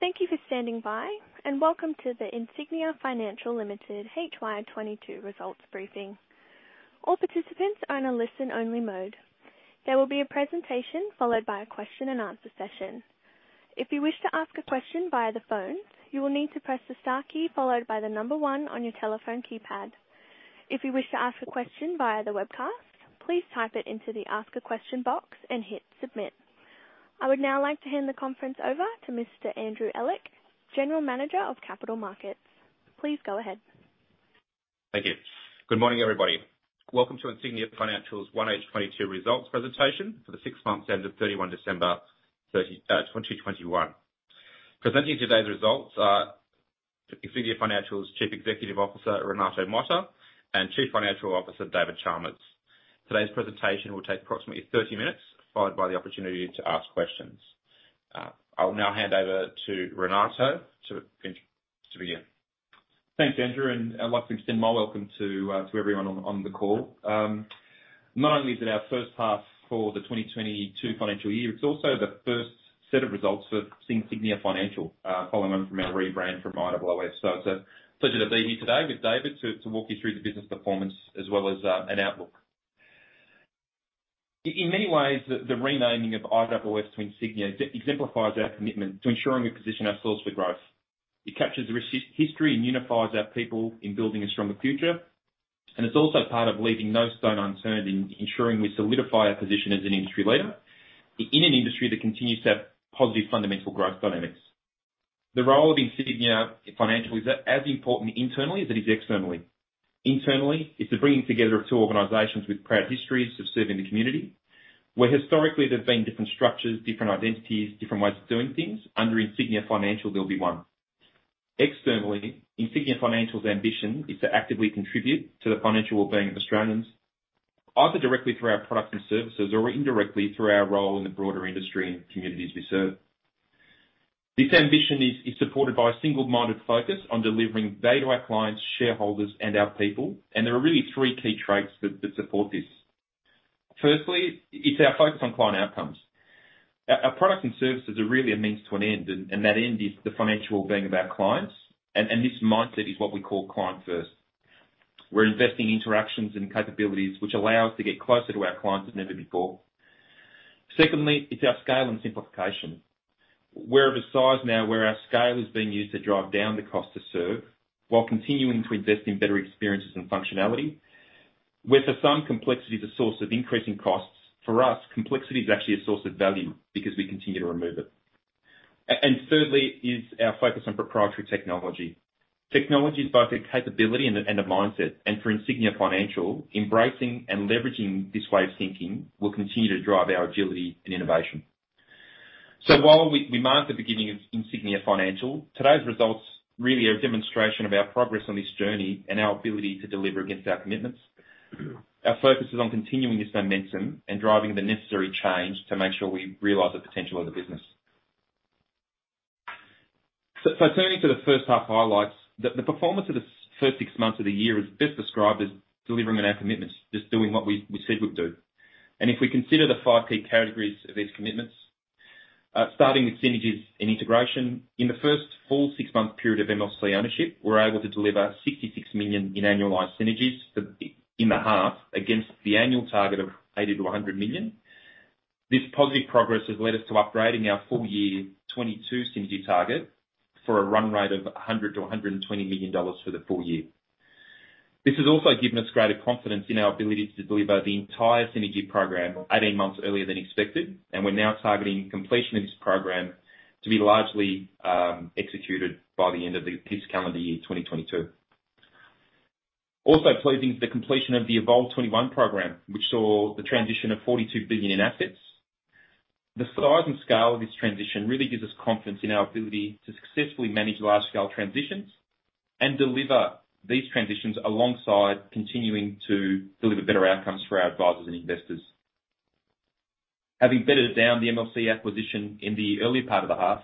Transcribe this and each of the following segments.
Thank you for standing by, and welcome to the Insignia Financial Ltd FY 2022 results briefing. All participants are in a listen-only mode. There will be a presentation followed by a question-and-answer session. If you wish to ask a question via the phone, you will need to press the star key followed by the number one on your telephone keypad. If you wish to ask a question via the webcast, please type it into the ask a question box and hit submit. I would now like to hand the conference over to Mr. Andrew Ehlich, General Manager of Capital Markets. Please go ahead. Thank you. Good morning, everybody. Welcome to Insignia Financial's H1 2022 results presentation for the six months ended 31 December 2021. Presenting today's results are Insignia Financial's Chief Executive Officer, Renato Mota, and Chief Financial Officer, David Chalmers. Today's presentation will take approximately 30 minutes, followed by the opportunity to ask questions. I will now hand over to Renato to begin. Thanks, Andrew, and I'd like to extend my welcome to everyone on the call. Not only is it our first half for the 2022 financial year, it's also the first set of results for Insignia Financial, following on from our rebrand from IOOF. It's a pleasure to be here today with David to walk you through the business performance as well as an outlook. In many ways, the renaming of IOOF to Insignia exemplifies our commitment to ensuring we position ourselves for growth. It captures the rich history and unifies our people in building a stronger future. It's also part of leaving no stone unturned in ensuring we solidify our position as an industry leader in an industry that continues to have positive fundamental growth dynamics. The role of Insignia Financial is as important internally as it is externally. Internally, it's the bringing together of two organizations with proud histories of serving the community, where historically there've been different structures, different identities, different ways of doing things. Under Insignia Financial, there'll be one. Externally, Insignia Financial's ambition is to actively contribute to the financial wellbeing of Australians, either directly through our products and services or indirectly through our role in the broader industry and communities we serve. This ambition is supported by a single-minded focus on delivering value to our clients, shareholders, and our people, and there are really three key traits that support this. Firstly, it's our focus on client outcomes. Our products and services are really a means to an end, and that end is the financial wellbeing of our clients. This mindset is what we call client first. We're investing in interactions and capabilities which allow us to get closer to our clients than ever before. Secondly, it's our scale and simplification. We're of a size now where our scale is being used to drive down the cost to serve while continuing to invest in better experiences and functionality. Where for some, complexity is a source of increasing costs, for us, complexity is actually a source of value because we continue to remove it. Thirdly is our focus on proprietary technology. Technology is both a capability and a mindset. For Insignia Financial, embracing and leveraging this way of thinking will continue to drive our agility and innovation. While we mark the beginning of Insignia Financial, today's results really are a demonstration of our progress on this journey and our ability to deliver against our commitments. Our focus is on continuing this momentum and driving the necessary change to make sure we realize the potential of the business. Turning to the first half highlights, the performance of the first six months of the year is best described as delivering on our commitments, just doing what we said we'd do. If we consider the five key categories of these commitments, starting with synergies and integration. In the first full six-month period of MLC ownership, we're able to deliver 66 million in annualized synergies in the half against the annual target of 80 million to 100 million. This positive progress has led us to upgrading our full year 2022 synergy target for a run rate of 100 million to 120 million dollars for the full year. This has also given us greater confidence in our ability to deliver the entire synergy program 18 months earlier than expected, and we're now targeting completion of this program to be largely executed by the end of this calendar year, 2022. Also pleasing is the completion of the Evolve21 program, which saw the transition of 42 billion in assets. The size and scale of this transition really gives us confidence in our ability to successfully manage large-scale transitions and deliver these transitions alongside continuing to deliver better outcomes for our advisors and investors. Having bedded down the MLC acquisition in the early part of the half,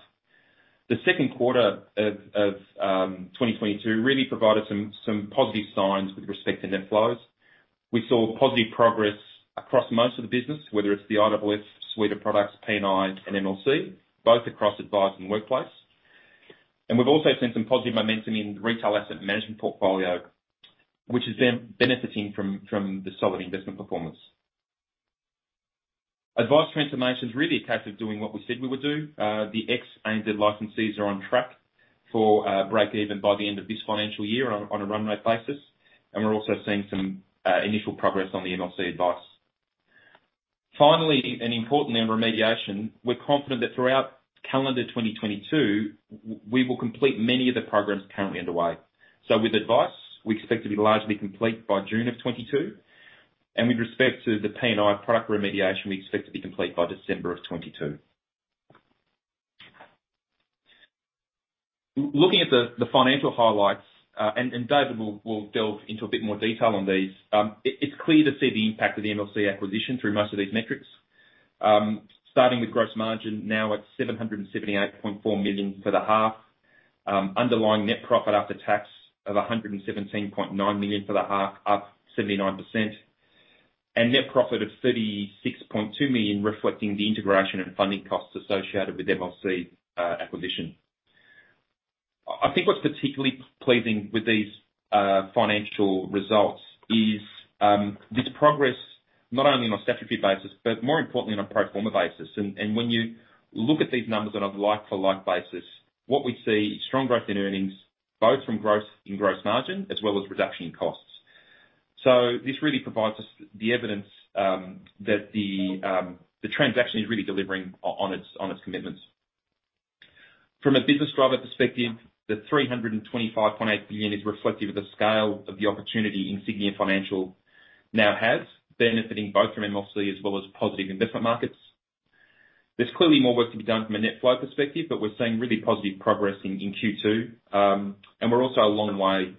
the second quarter of 2022 really provided some positive signs with respect to net flows. We saw positive progress across most of the business, whether it's the IOOF suite of products, P&I and MLC, both across advice and workplace. We've also seen some positive momentum in retail asset management portfolio, which is then benefiting from the solid investment performance. Advice transformation is really a case of doing what we said we would do. The ex-ANZ licensees are on track for breakeven by the end of this financial year on a run rate basis, and we're also seeing some initial progress on the MLC advice. Finally, and importantly on remediation, we're confident that throughout calendar 2022, we will complete many of the programs currently underway. With advice, we expect to be largely complete by June of 2022, and with respect to the P&I product remediation, we expect to be complete by December of 2022. Looking at the financial highlights, and David will delve into a bit more detail on these. It's clear to see the impact of the MLC acquisition through most of these metrics. Starting with gross margin now at 778.4 million for the half. Underlying net profit after tax of 117.9 million for the half, up 79%. Net profit of 36.2 million, reflecting the integration and funding costs associated with MLC acquisition. I think what's particularly pleasing with these financial results is this progress not only on a statutory basis, but more importantly on a pro forma basis. When you look at these numbers on a like for like basis, what we see is strong growth in earnings, both from growth in gross margin as well as reduction in costs. This really provides us the evidence that the transaction is really delivering on its commitments. From a business driver perspective, the 325.8 billion is reflective of the scale of the opportunity Insignia Financial now has, benefiting both from MLC as well as positive investment markets. There's clearly more work to be done from a net flow perspective, but we're seeing really positive progress in Q2. We're also a long way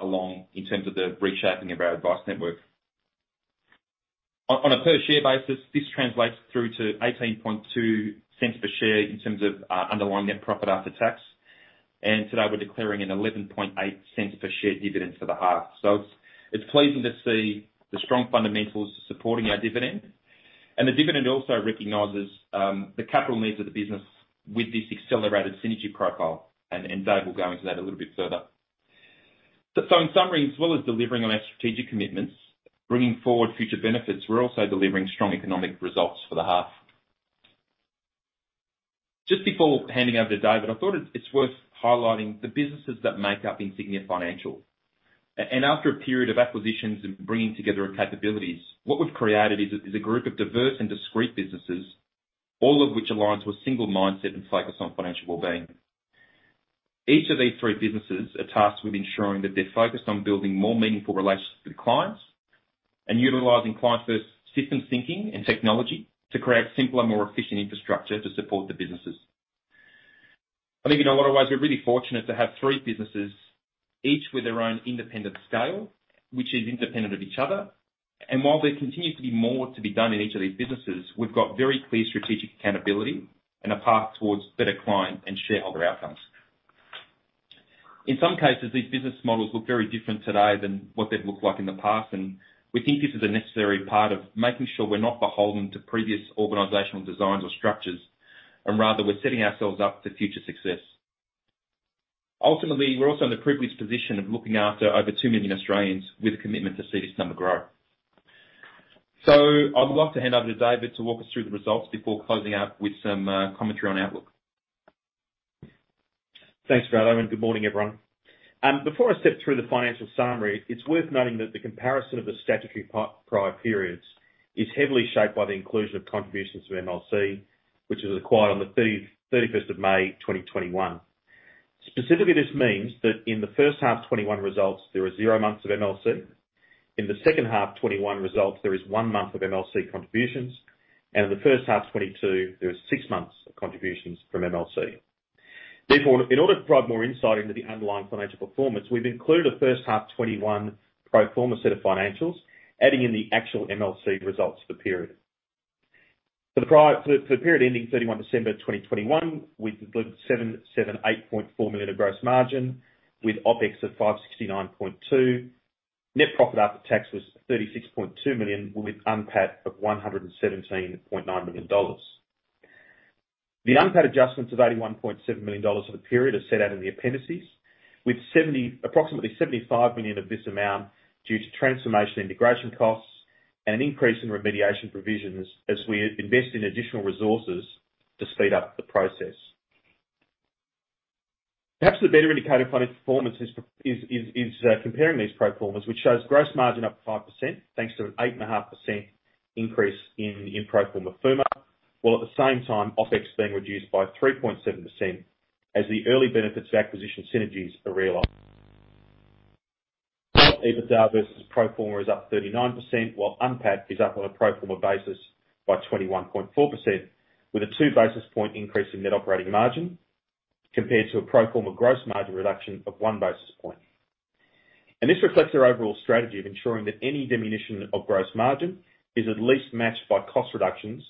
along in terms of the reshaping of our advice network. On a per share basis, this translates through to 0.182 per share in terms of underlying net profit after tax. Today, we're declaring an 0.118 per share dividend for the half. It's pleasing to see the strong fundamentals supporting our dividend. The dividend also recognizes the capital needs of the business with this accelerated synergy profile, and Dave will go into that a little bit further. In summary, as well as delivering on our strategic commitments, bringing forward future benefits, we're also delivering strong economic results for the half. Just before handing over to David, I thought it's worth highlighting the businesses that make up Insignia Financial. After a period of acquisitions and bringing together our capabilities, what we've created is a group of diverse and discrete businesses, all of which align to a single mindset and focus on financial wellbeing. Each of these three businesses are tasked with ensuring that they're focused on building more meaningful relationships with clients and utilizing clients' system thinking and technology to create simpler, more efficient infrastructure to support the businesses. I think in a lot of ways, we're really fortunate to have three businesses, each with their own independent scale, which is independent of each other. While there continues to be more to be done in each of these businesses, we've got very clear strategic accountability and a path towards better client and shareholder outcomes. In some cases, these business models look very different today than what they've looked like in the past, and we think this is a necessary part of making sure we're not beholden to previous organizational designs or structures, and rather we're setting ourselves up for future success. Ultimately, we're also in the privileged position of looking after over two million Australians with a commitment to see this number grow. I would like to hand over to David to walk us through the results before closing out with some commentary on outlook. Thanks, Renato Mota, and good morning, everyone. Before I step through the financial summary, it's worth noting that the comparison of the statutory prior periods is heavily shaped by the inclusion of contributions from MLC, which was acquired on the 31st of May, 2021. Specifically, this means that in the first half 2021 results, there were zero months of MLC. In the second half 2021 results, there is one month of MLC contributions. In the first half 2022, there is six months of contributions from MLC. Therefore, in order to provide more insight into the underlying financial performance, we've included a first half 2021 pro forma set of financials, adding in the actual MLC results for the period. For the prior... For the period ending 31 December 2021, we delivered 778.4 million of gross margin with OpEx of 569.2 million. Net profit after tax was 36.2 million, with UNPAT of 117.9 million dollars. The UNPAT adjustments of 81.7 million dollars for the period are set out in the appendices, with approximately 75 million of this amount due to transformation integration costs and an increase in remediation provisions as we invest in additional resources to speed up the process. Perhaps the better indicator of financial performance is comparing these pro formas, which shows gross margin up 5%, thanks to an 8.5% increase in pro forma FUMA, while at the same time, OpEx being reduced by 3.7%, as the early benefits of acquisition synergies are realized. EBITDA versus pro forma is up 39%, while UNPAT is up on a pro forma basis by 21.4%, with a 2 basis point increase in net operating margin compared to a pro forma gross margin reduction of 1 basis point. This reflects our overall strategy of ensuring that any diminution of gross margin is at least matched by cost reductions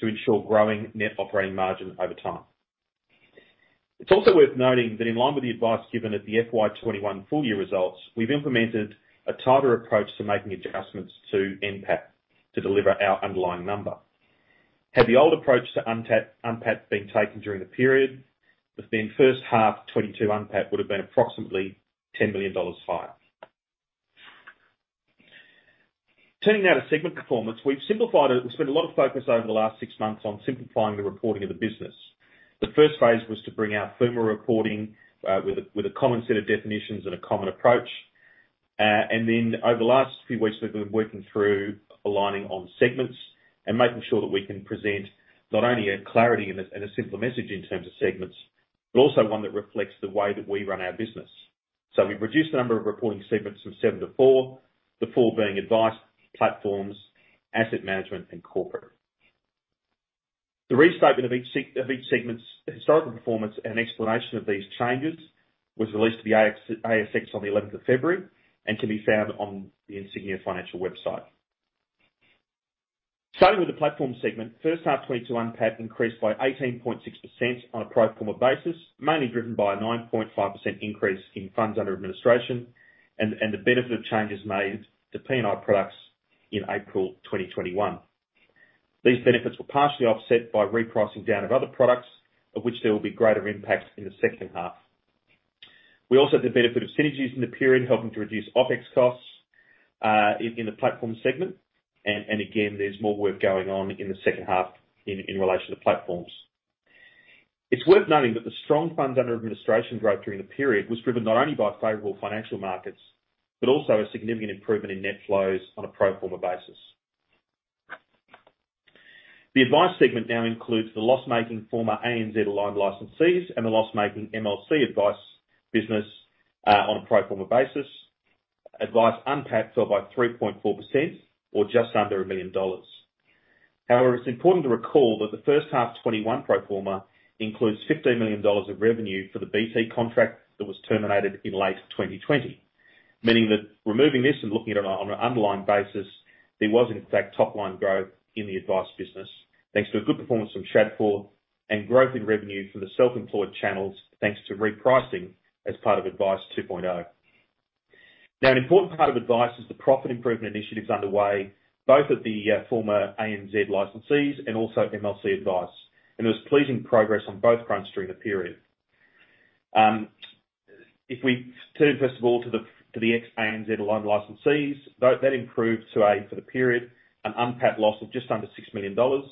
to ensure growing net operating margin over time. It's also worth noting that in line with the advice given at the FY 2021 full year results, we've implemented a tighter approach to making adjustments to NPAT to deliver our underlying number. Had the old approach to UNPAT been taken during the period, the first half 2022 UNPAT would have been approximately 10 million dollars higher. Turning now to segment performance, we've simplified it. We spent a lot of focus over the last six months on simplifying the reporting of the business. The first phase was to bring our FUMA reporting with a common set of definitions and a common approach. Over the last few weeks, we've been working through aligning on segments and making sure that we can present not only a clarity and a simpler message in terms of segments, but also one that reflects the way that we run our business. We've reduced the number of reporting segments from seven to four, the four being Advice, Platforms, Asset Management, and Corporate. The restatement of each segment's historical performance and explanation of these changes was released to the ASX on the eleventh of February and can be found on the Insignia Financial website. Starting with the Platforms segment. First half 2022 FUA increased by 18.6% on a pro forma basis, mainly driven by a 9.5% increase in funds under administration and the benefit of changes made to P&I products in April 2021. These benefits were partially offset by repricing down of other products, of which there will be greater impact in the second half. We also had the benefit of synergies in the period, helping to reduce OpEx costs in the platform segment. There's more work going on in the second half in relation to platforms. It's worth noting that the strong funds under administration growth during the period was driven not only by favorable financial markets, but also a significant improvement in net flows on a pro forma basis. The advice segment now includes the loss-making former ANZ Aligned licensees and the loss-making MLC Advice business on a pro forma basis. Advice unpacked by 3.4% or just under 1 million dollars. However, it's important to recall that the first half 2021 pro forma includes 15 million dollars of revenue for the BT contract that was terminated in late 2020. Meaning that removing this and looking at it on an underlying basis, there was in fact top line growth in the advice business. Thanks to a good performance from Shadforth and growth in revenue for the self-employed channels, thanks to repricing as part of Advice 2.0. Now, an important part of Advice is the profit improvement initiatives underway, both at the former ANZ licensees and also MLC Advice. There was pleasing progress on both fronts during the period. If we turn first of all to the ex-ANZ aligned licensees, that improved to, for the period, an NPAT loss of just under 6 million dollars.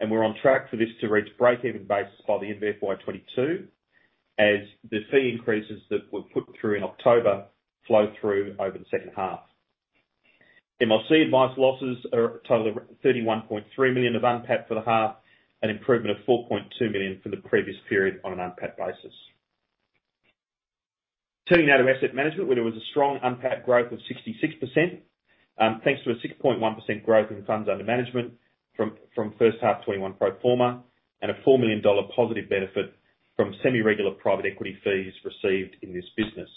We're on track for this to reach break-even basis by the end of FY 2022, as the fee increases that were put through in October flow through over the second half. MLC Advice losses are a total of 31.3 million UNPAT for the half, an improvement of 4.2 million for the previous period on a UNPAT basis. Turning now to asset management, where there was a strong UNPAT growth of 66%, thanks to a 6.1% growth in funds under management from first half 2021 pro forma and a 4 million dollar positive benefit from semi-regular private equity fees received in this business.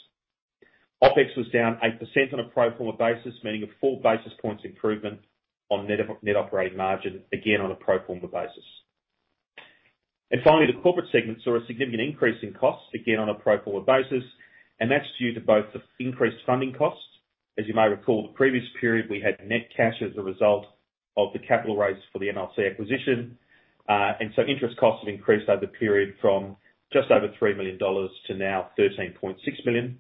OpEx was down 8% on a pro forma basis, meaning a 40 basis points improvement on net operating margin, again, on a pro forma basis. Finally, the corporate segment saw a significant increase in costs, again, on a pro forma basis, and that's due to both the increased funding costs. As you may recall, the previous period we had net cash as a result of the capital raise for the MLC acquisition. Interest costs have increased over the period from just over 3 million dollars to now 13.6 million.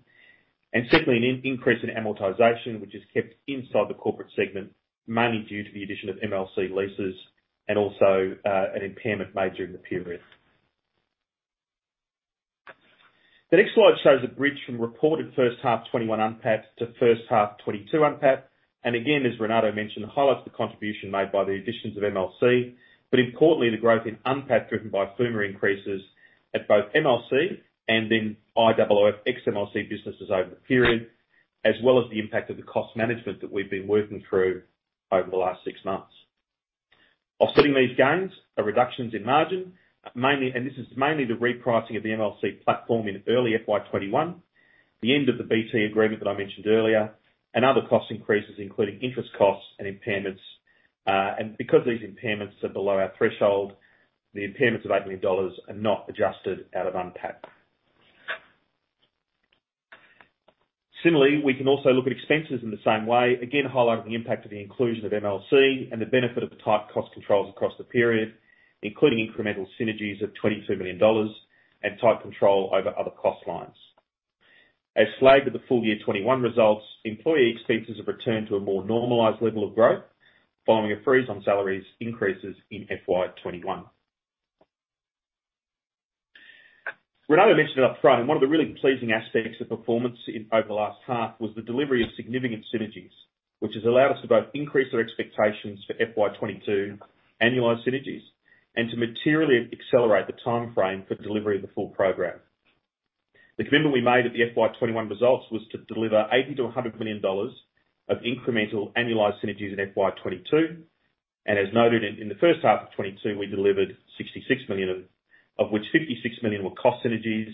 Certainly an increase in amortization, which is kept inside the corporate segment, mainly due to the addition of MLC leases and also an impairment made during the period. The next slide shows a bridge from the reported first half 2021 unpacked to first half 2022 unpacked. Again, as Renato mentioned, highlights the contribution made by the additions of MLC. Importantly, the growth in NPAT, driven by FUMA increases at both MLC and in IOOF ex-MLC businesses over the period, as well as the impact of the cost management that we've been working through over the last six months. Offsetting these gains are reductions in margin, mainly, and this is mainly the repricing of the MLC platform in early FY 2021, the end of the BT agreement that I mentioned earlier, and other cost increases, including interest costs and impairments. Because these impairments are below our threshold, the impairments of 8 million dollars are not adjusted out of NPAT. Similarly, we can also look at expenses in the same way, again highlighting the impact of the inclusion of MLC and the benefit of the tight cost controls across the period, including incremental synergies of 22 million dollars and tight control over other cost lines. As flagged at the full year 2021 results, employee expenses have returned to a more normalized level of growth following a freeze on salaries increases in FY 2021. Renato mentioned it upfront, and one of the really pleasing aspects of performance over the last half was the delivery of significant synergies, which has allowed us to both increase our expectations for FY 2022 annualized synergies and to materially accelerate the timeframe for delivery of the full program. The commitment we made at the FY 2021 results was to deliver 80 million to AUD 100 million of incremental annualized synergies in FY 2022, and as noted in the first half of 2022, we delivered 66 million, of which 56 million were cost synergies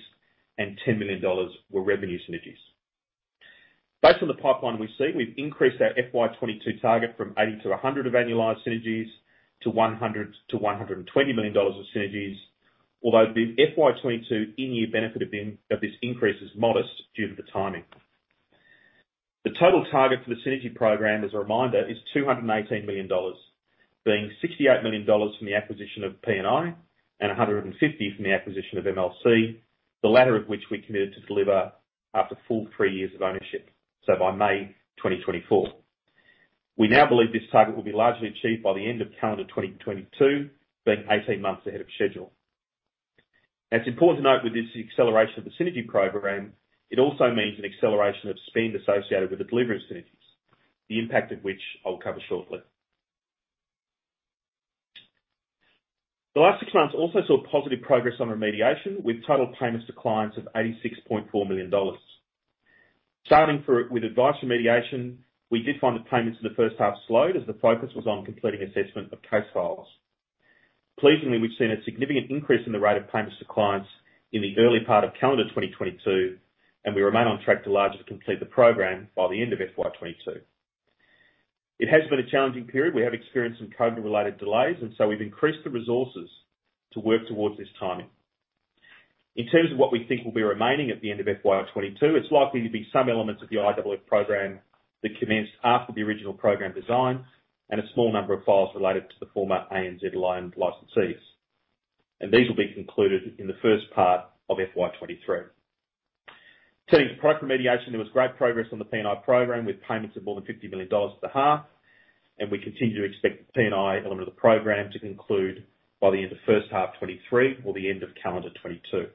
and 10 million dollars were revenue synergies. Based on the pipeline we see, we've increased our FY 2022 target from 80 million to 100 million of annualized synergies to 100 million to 120 million dollars of synergies. Although the FY 2022 in-year benefit of them, of this increase is modest due to the timing. The total target for the synergy program, as a reminder, is 218 million dollars, being 68 million dollars from the acquisition of P&I and 150 from the acquisition of MLC, the latter of which we committed to deliver after full three years of ownership, so by May 2024. We now believe this target will be largely achieved by the end of calendar 2022, being 18 months ahead of schedule. Now it's important to note with this acceleration of the synergy program, it also means an acceleration of spend associated with the delivery of synergies, the impact of which I will cover shortly. The last six months also saw positive progress on remediation, with total payments to clients of 86.4 million dollars. Starting with advice remediation, we did find that payments in the first half slowed as the focus was on completing assessment of case files. Pleasingly, we've seen a significant increase in the rate of payments to clients in the early part of calendar 2022, and we remain on track to largely complete the program by the end of FY 2022. It has been a challenging period. We have experienced some COVID-related delays, and so we've increased the resources to work towards this timing. In terms of what we think will be remaining at the end of FY 2022, it's likely to be some elements of the IOOF program that commenced after the original program design and a small number of files related to the former ANZ-aligned licensees. These will be concluded in the first part of FY 2023. Turning to project remediation, there was great progress on the P&I program, with payments of more than 50 million dollars at the half, and we continue to expect the P&I element of the program to conclude by the end of the first half 2023 or the end of calendar 2022.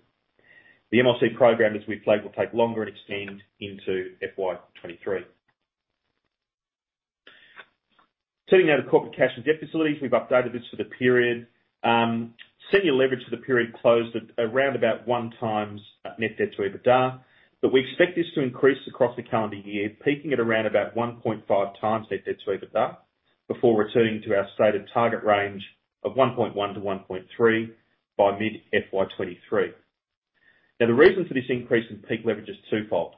The MLC program, as we flagged, will take longer and extend into FY 2023. Turning now to corporate cash and debt facilities. We've updated this for the period. Senior leverage for the period closed at around about one times net debt to EBITDA, but we expect this to increase across the calendar year, peaking at around about 1.5 times net debt to EBITDA, before returning to our stated target range of 1.1 to 1.3 times by mid-FY 2023. Now the reason for this increase in peak leverage is twofold.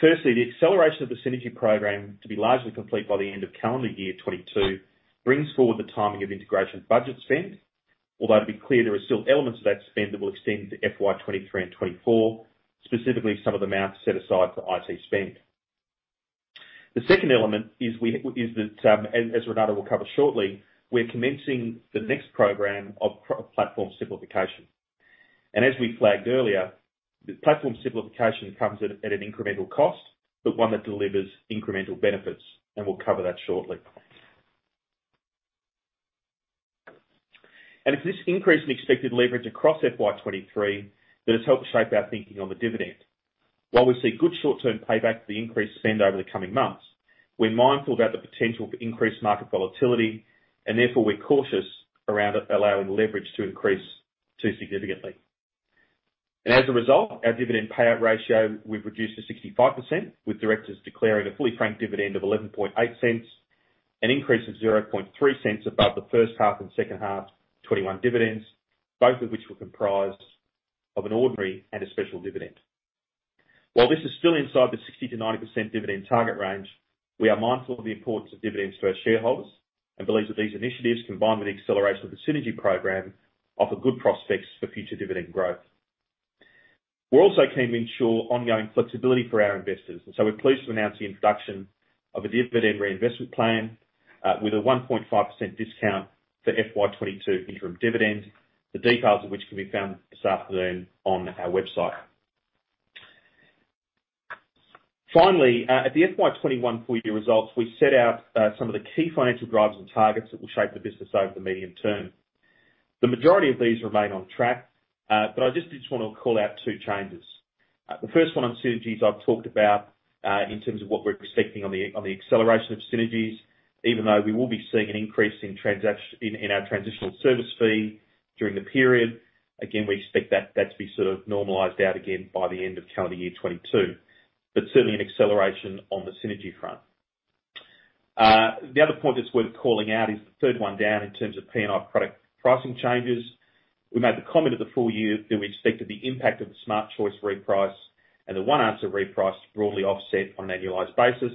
Firstly, the acceleration of the synergy program to be largely complete by the end of calendar year 2022 brings forward the timing of integration budget spend. Although to be clear, there are still elements of that spend that will extend to FY 2023 and 2024, specifically some of the amounts set aside for IT spend. The second element is that, as Renato will cover shortly, we're commencing the next program of platform simplification. As we flagged earlier, the platform simplification comes at an incremental cost, but one that delivers incremental benefits, and we'll cover that shortly. It's this increase in expected leverage across FY 2023 that has helped shape our thinking on the dividend. While we see good short-term payback for the increased spend over the coming months, we're mindful about the potential for increased market volatility and therefore we're cautious around allowing leverage to increase too significantly. As a result, our dividend payout ratio, we've reduced to 65%, with directors declaring a fully franked dividend of 0.118, an increase of 0.003 above the first half and second half 2021 dividends, both of which were comprised of an ordinary and a special dividend. While this is still inside the 60% to 90% dividend target range, we are mindful of the importance of dividends to our shareholders and believe that these initiatives, combined with the acceleration of the synergy program, offer good prospects for future dividend growth. We're also keen to ensure ongoing flexibility for our investors, and so we're pleased to announce the introduction of a dividend reinvestment plan, with a 1.5% discount for FY 2022 interim dividend, the details of which can be found this afternoon on our website. Finally, at the FY 2021 full year results, we set out some of the key financial drivers and targets that will shape the business over the medium term. The majority of these remain on track, I just did wanna call out two changes. The first one on synergies I've talked about, in terms of what we're expecting on the acceleration of synergies, even though we will be seeing an increase in our transitional service fee during the period. Again, we expect that to be sort of normalized out again by the end of calendar year 2022. Certainly an acceleration on the synergy front. The other point that's worth calling out is the third one down in terms of P&I product pricing changes. We made the comment at the full year that we expected the impact of the Smart Choice reprice and the OneAnswer reprice to broadly offset on an annualized basis.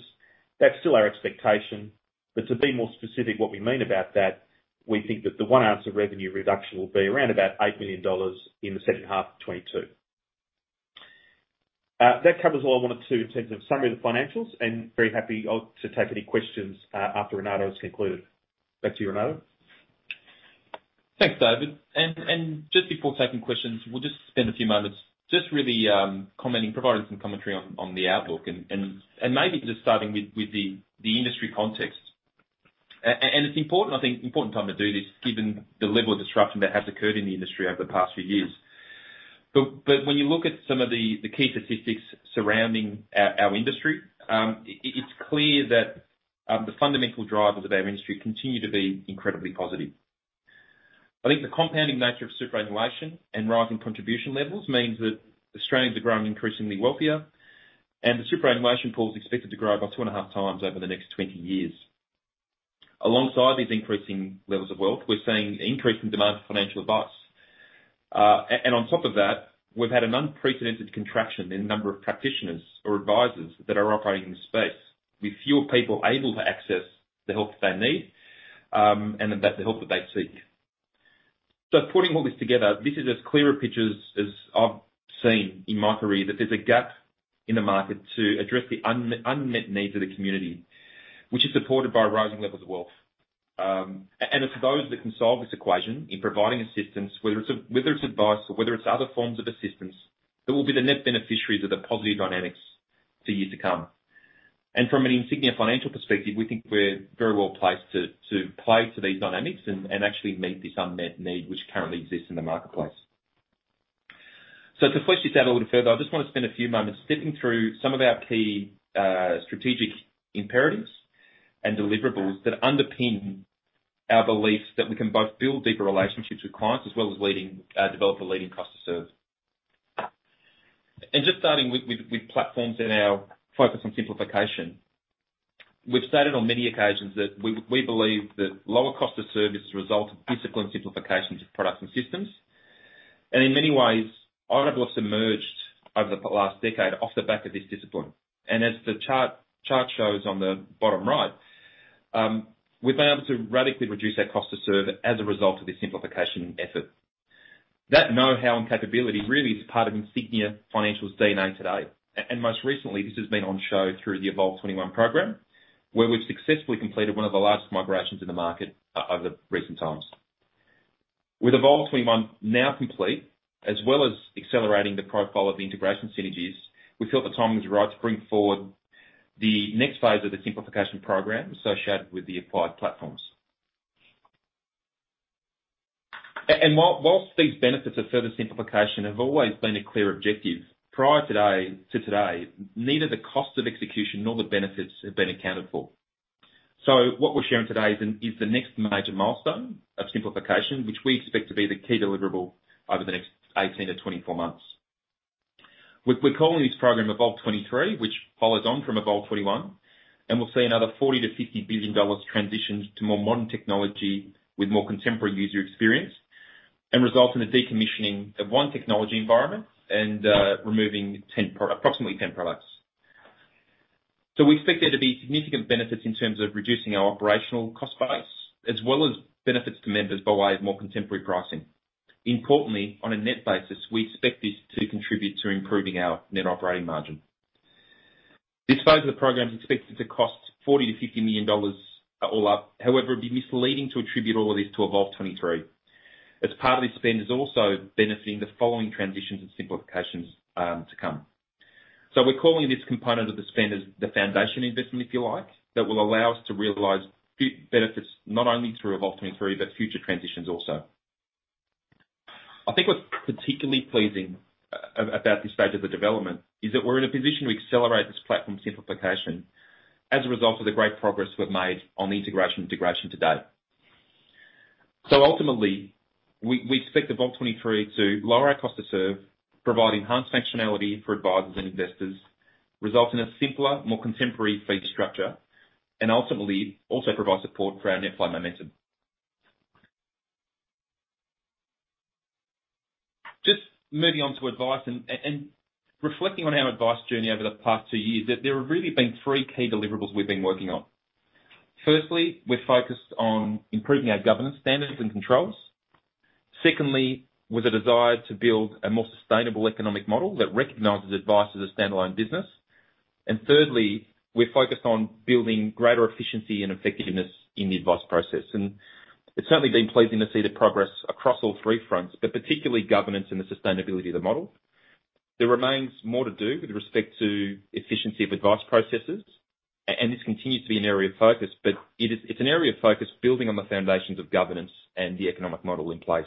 That's still our expectation, but to be more specific, what we mean about that, we think that the OneAnswer revenue reduction will be around about 8 million dollars in the second half of 2022. That covers all I wanted to in terms of summary of the financials, and very happy to take any questions after Renato has concluded. Back to you, Renato. Thanks, David. Just before taking questions, we'll just spend a few moments just really commenting, providing some commentary on the outlook and maybe just starting with the industry context. It's important, I think, important time to do this given the level of disruption that has occurred in the industry over the past few years. When you look at some of the key statistics surrounding our industry, it's clear that the fundamental drivers of our industry continue to be incredibly positive. I think the compounding nature of superannuation and rising contribution levels means that Australians are growing increasingly wealthier, and the superannuation pool is expected to grow by two and a half times over the next 20 years. Alongside these increasing levels of wealth, we're seeing increasing demand for financial advice. on top of that, we've had an unprecedented contraction in the number of practitioners or advisors that are operating in the space, with fewer people able to access the help that they need, and the help that they seek. Putting all this together, this is as clear a picture as I've seen in my career, that there's a gap in the market to address the unmet needs of the community, which is supported by rising levels of wealth. It's those that can solve this equation in providing assistance, whether it's advice or other forms of assistance, that will be the net beneficiaries of the positive dynamics for years to come. From an Insignia Financial perspective, we think we're very well placed to play to these dynamics and actually meet this unmet need which currently exists in the marketplace. To flesh this out a little further, I just want to spend a few moments stepping through some of our key strategic imperatives and deliverables that underpin our belief that we can both build deeper relationships with clients, as well as develop a leading cost to serve. Just starting with platforms and our focus on simplification. We've stated on many occasions that we believe that lower cost of service is a result of discipline simplifications of products and systems. In many ways, IOOF has emerged over the last decade off the back of this discipline. As the chart shows on the bottom right, we've been able to radically reduce our cost to serve as a result of this simplification effort. That know-how and capability really is part of Insignia Financial's DNA today. Most recently, this has been on show through the Evolve21 program, where we've successfully completed one of the largest migrations in the market over recent times. With Evolve21 now complete, as well as accelerating the profile of the integration synergies, we felt the timing was right to bring forward the next phase of the simplification program associated with the acquired platforms. While these benefits of further simplification have always been a clear objective, prior to today, neither the cost of execution nor the benefits have been accounted for. What we're sharing today is the next major milestone of simplification, which we expect to be the key deliverable over the next 18 to 24 months. We're calling this program Evolve23, which follows on from Evolve21, and we'll see another 40 billion to 50 billion dollars transitioned to more modern technology with more contemporary user experience, and result in the decommissioning of one technology environment and removing approximately 10 products. We expect there to be significant benefits in terms of reducing our operational cost base, as well as benefits to members by way of more contemporary pricing. Importantly, on a net basis, we expect this to contribute to improving our net operating margin. This phase of the program is expected to cost 40 million to 50 million dollars all up. However, it'd be misleading to attribute all of this to Evolve23, as part of this spend is also benefiting the following transitions and simplifications to come. We're calling this component of the spend as the foundation investment, if you like, that will allow us to realize benefits not only through Evolve23, but future transitions also. I think what's particularly pleasing about this stage of the development is that we're in a position to accelerate this platform simplification as a result of the great progress we've made on the integration to date. Ultimately, we expect Evolve23 to lower our cost to serve, provide enhanced functionality for advisors and investors, result in a simpler, more contemporary fee structure, and ultimately also provide support for our net flow momentum. Just moving on to advice and reflecting on our advice journey over the past two years, there have really been three key deliverables we've been working on. Firstly, we're focused on improving our governance standards and controls. Secondly, with a desire to build a more sustainable economic model that recognizes advice as a standalone business. Thirdly, we're focused on building greater efficiency and effectiveness in the advice process. It's certainly been pleasing to see the progress across all three fronts, but particularly governance and the sustainability of the model. There remains more to do with respect to efficiency of advice processes, and this continues to be an area of focus, but it is an area of focus building on the foundations of governance and the economic model in place.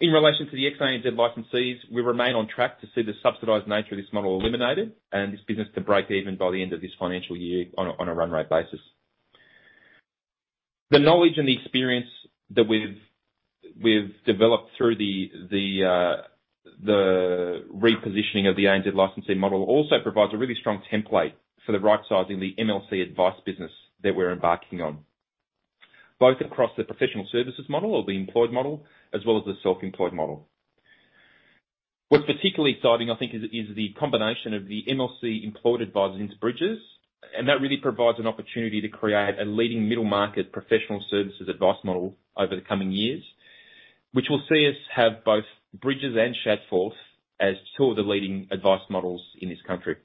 In relation to the ex-ANZ licensees, we remain on track to see the subsidized nature of this model eliminated and this business to breakeven by the end of this financial year on a run rate basis. The knowledge and the experience that we've developed through the repositioning of the ANZ licensee model also provides a really strong template for the right sizing the MLC Advice business that we're embarking on. Both across the professional services model or the employed model, as well as the self-employed model. What's particularly exciting, I think, is the combination of the MLC employed advisors into Bridges, and that really provides an opportunity to create a leading middle-market professional services advice model over the coming years, which will see us have both Bridges and Shadforth as two of the leading advice models in this country.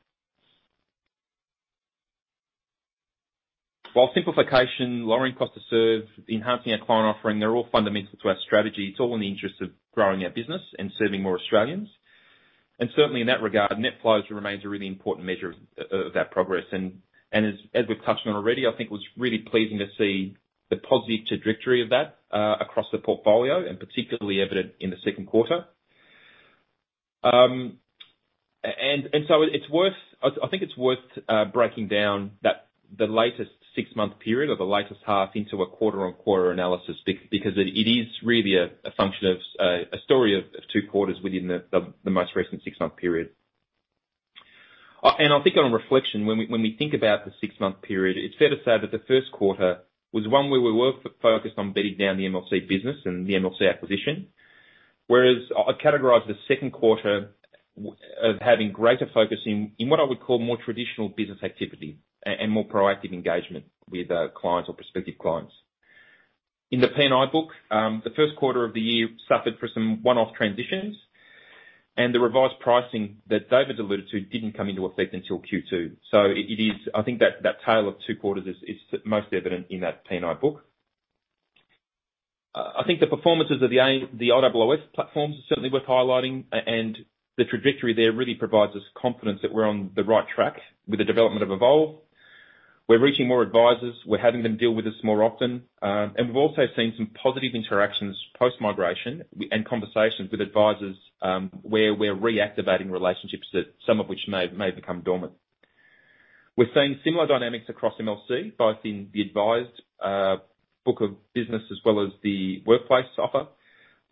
While simplification, lowering cost to serve, enhancing our client offering, they're all fundamental to our strategy. It's all in the interest of growing our business and serving more Australians. Certainly in that regard, net flows remains a really important measure of that progress. As we've touched on already, I think it was really pleasing to see the positive trajectory of that across the portfolio and particularly evident in the second quarter. I think it's worth breaking down the latest six-month period or the latest half into a quarter-on-quarter analysis because it is really a function of a story of two quarters within the most recent six-month period. I think on reflection, when we think about the six-month period, it's fair to say that the first quarter was one where we were focused on bedding down the MLC business and the MLC acquisition. Whereas I'd categorize the second quarter of having greater focus in what I would call more traditional business activity and more proactive engagement with clients or prospective clients. In the P&I book, the first quarter of the year suffered for some one-off transitions, and the revised pricing that David alluded to didn't come into effect until Q2. I think that tale of two quarters is most evident in that P&I book. I think the performances of the IOOF platforms are certainly worth highlighting and the trajectory there really provides us confidence that we're on the right track with the development of Evolve. We're reaching more advisors. We're having them deal with us more often. We've also seen some positive interactions post-migration and conversations with advisors, where we're reactivating relationships that some of which may have become dormant. We're seeing similar dynamics across MLC, both in the advised book of business as well as the workplace offer,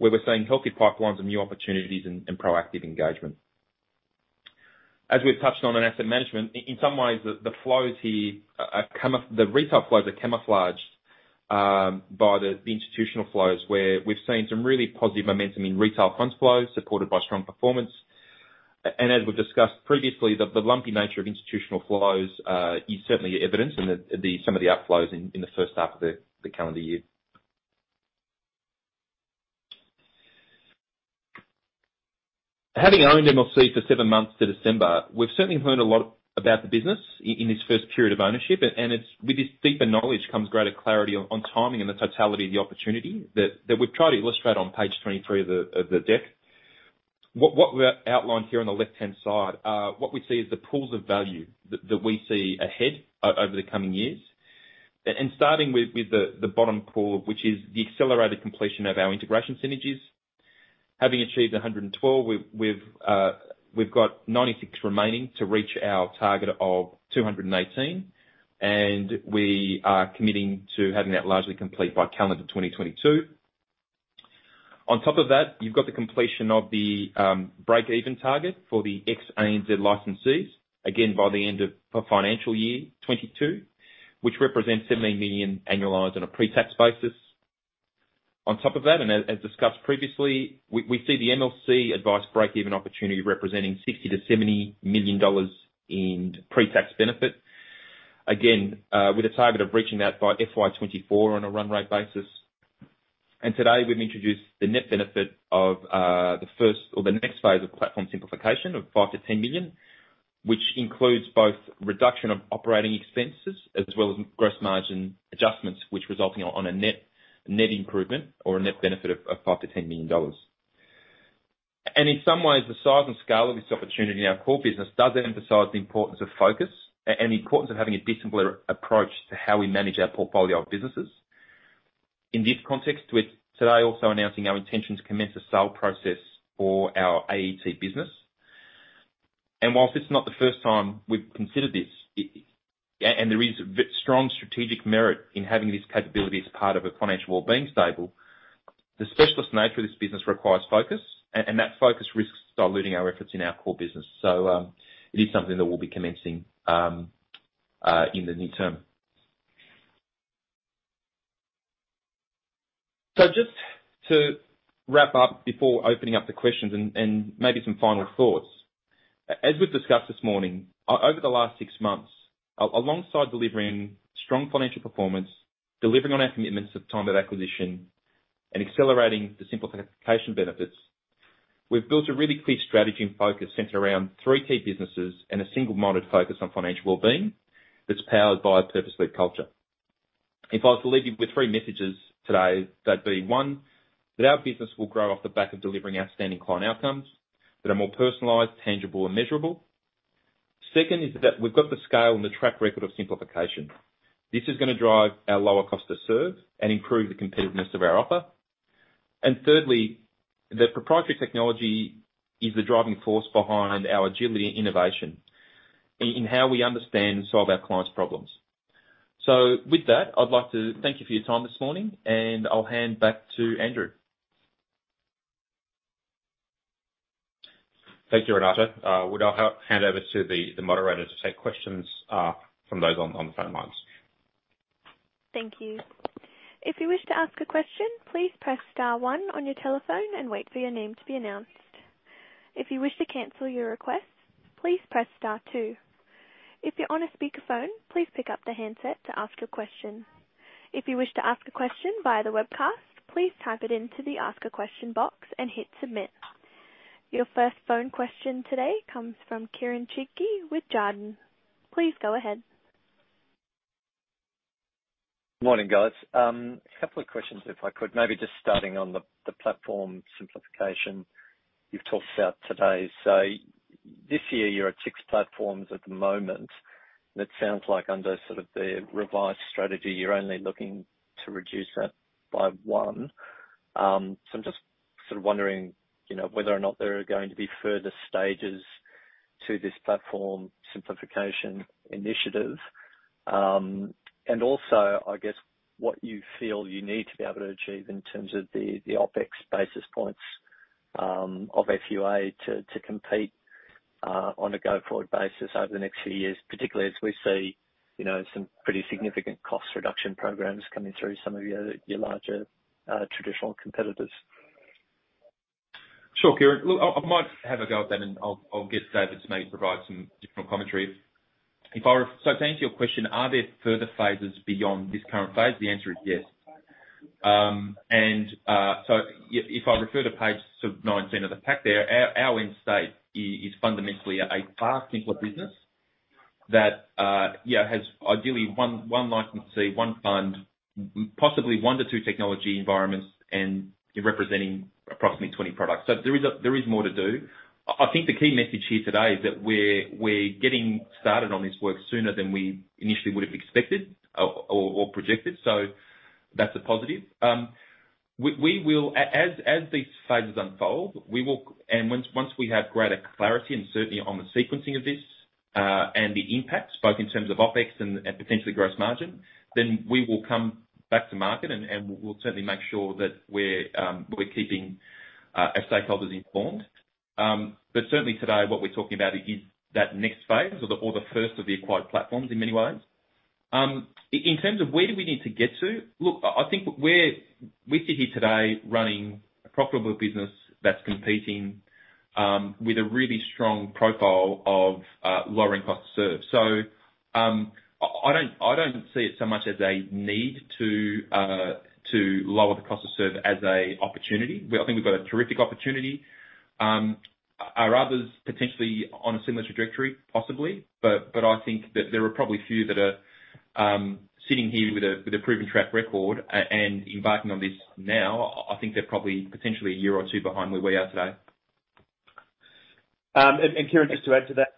where we're seeing healthy pipelines and new opportunities and proactive engagement. As we've touched on in asset management, in some ways, the flows here are camouflaged, the retail flows are camouflaged by the institutional flows, where we've seen some really positive momentum in retail funds flows supported by strong performance. As we've discussed previously, the lumpy nature of institutional flows is certainly evidenced in some of the outflows in the first half of the calendar year. Having owned MLC for seven months to December, we've certainly learned a lot about the business in this first period of ownership. It's with this deeper knowledge comes greater clarity on timing and the totality of the opportunity that we've tried to illustrate on page 23 of the deck. What we've outlined here on the left-hand side, what we see is the pools of value that we see ahead over the coming years. Starting with the bottom pool, which is the accelerated completion of our integration synergies. Having achieved 112, we've got 96 remaining to reach our target of 218, and we are committing to having that largely complete by calendar 2022. On top of that, you've got the completion of the breakeven target for the ex-ANZ licensees, again, by the end of FY 2022, which represents 70 million annualized on a pre-tax basis. On top of that, and as discussed previously, we see the MLC Advice breakeven opportunity representing 60 million to 70 million dollars in pre-tax benefit. Again, with a target of reaching that by FY 2024 on a run rate basis. Today we've introduced the net benefit of the first or the next phase of platform simplification of 5 million to 10 million, which includes both reduction of operating expenses as well as gross margin adjustments, which resulting on a net improvement or a net benefit of 5 million to 10 million dollars. In some ways, the size and scale of this opportunity in our core business does emphasize the importance of focus and the importance of having a disciplined approach to how we manage our portfolio of businesses. In this context, we're today also announcing our intention to commence a sale process for our AET business. Whilst it's not the first time we've considered this, it... There is very strong strategic merit in having this capability as part of a financial well-being stable. The specialist nature of this business requires focus, and that focus risks diluting our efforts in our core business. It is something that we'll be commencing in the near term. Just to wrap up before opening up the questions and maybe some final thoughts. As we've discussed this morning, over the last six months, alongside delivering strong financial performance, delivering on our commitments at the time of acquisition, and accelerating the simplification benefits, we've built a really clear strategy and focus centered around three key businesses and a single-minded focus on financial well-being that's powered by a purpose-led culture. If I was to leave you with three messages today, they'd be, one, that our business will grow off the back of delivering outstanding client outcomes that are more personalized, tangible, and measurable. Second is that we've got the scale and the track record of simplification. This is gonna drive our lower cost to serve and improve the competitiveness of our offer. And thirdly, the proprietary technology is the driving force behind our agility and innovation in how we understand and solve our clients' problems. With that, I'd like to thank you for your time this morning, and I'll hand back to Andrew. Thank you, Renato. We'll now hand over to the moderator to take questions from those on the phone lines. Thank you. If you wish to ask a question, please press star one on your telephone and wait for your name to be announced. If you wish to cancel your request, please press star two. If you're on a speakerphone, please pick up the handset to ask your question. If you wish to ask a question via the webcast, please type it into the ask a question box and hit submit. Your first phone question today comes from Kieren Chidgey with Jarden. Please go ahead. Morning, guys. A couple of questions, if I could. Maybe just starting on the platform simplification you've talked about today. This year you're at six platforms at the moment, and it sounds like under sort of the revised strategy, you're only looking to reduce that by one. I'm just sort of wondering, you know, whether or not there are going to be further stages to this platform simplification initiative. And also, I guess what you feel you need to be able to achieve in terms of the OpEx basis points of FUA to compete on a go-forward basis over the next few years, particularly as we see, you know, some pretty significant cost reduction programs coming through some of your larger traditional competitors. Sure. Kieren. Look, I might have a go at that and I'll get David to maybe provide some different commentary. To answer your question, are there further phases beyond this current phase? The answer is yes. If I refer to page sort of 19 of the pack there, our insight is fundamentally a far simpler business that yeah has ideally one licensee, one fund, possibly one to two technology environments and representing approximately 20 products. There is more to do. I think the key message here today is that we're getting started on this work sooner than we initially would've expected or projected. That's a positive. As these phases unfold, we will, once we have greater clarity and certainty on the sequencing of this, and the impact, both in terms of OpEx and potentially gross margin, then we will come back to market, and we'll certainly make sure that we're keeping our stakeholders informed. Certainly today what we're talking about is that next phase or the first of the acquired platforms in many ways. In terms of where do we need to get to, look, I think we sit here today running a profitable business that's competing with a really strong profile of lowering cost to serve. I don't see it so much as a need to lower the cost to serve as an opportunity. I think we've got a terrific opportunity. Are others potentially on a similar trajectory? Possibly. I think that there are probably few that are sitting here with a proven track record and embarking on this now. I think they're probably potentially a year or two behind where we are today. Kieren, just to add to that,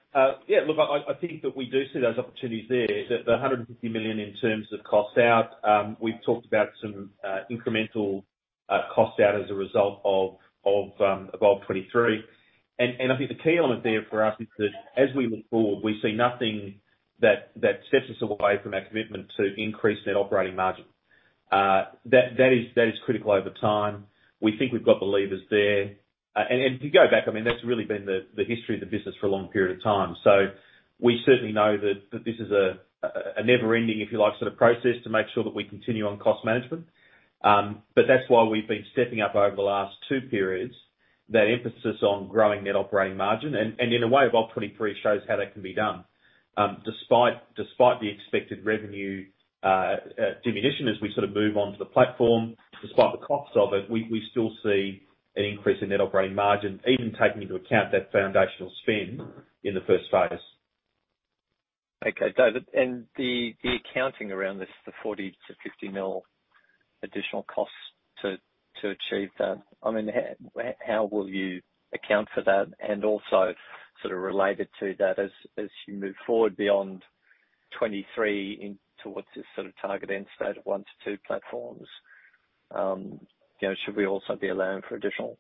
yeah, look, I think that we do see those opportunities there. The 150 million in terms of costs out, we've talked about some incremental costs out as a result of Evolve23. I think the key element there for us is that as we look forward, we see nothing that sets us away from our commitment to increase net operating margin. That is critical over time. We think we've got the levers there. If you go back, I mean, that's really been the history of the business for a long period of time. We certainly know that this is a never ending, if you like, sort of process to make sure that we continue on cost management. That's why we've been stepping up over the last two periods that emphasis on growing net operating margin. In a way, Evolve23 shows how that can be done. Despite the expected revenue diminution as we sort of move on to the platform, despite the costs of it, we still see an increase in net operating margin, even taking into account that foundational spend in the first phase. Okay, David, the accounting around this, the 40 million to 50 million additional cost to achieve that, I mean, how will you account for that? Also sort of related to that, as you move forward beyond 2023 towards this sort of target end state of one to two platforms, you know, should we also be allowing for additional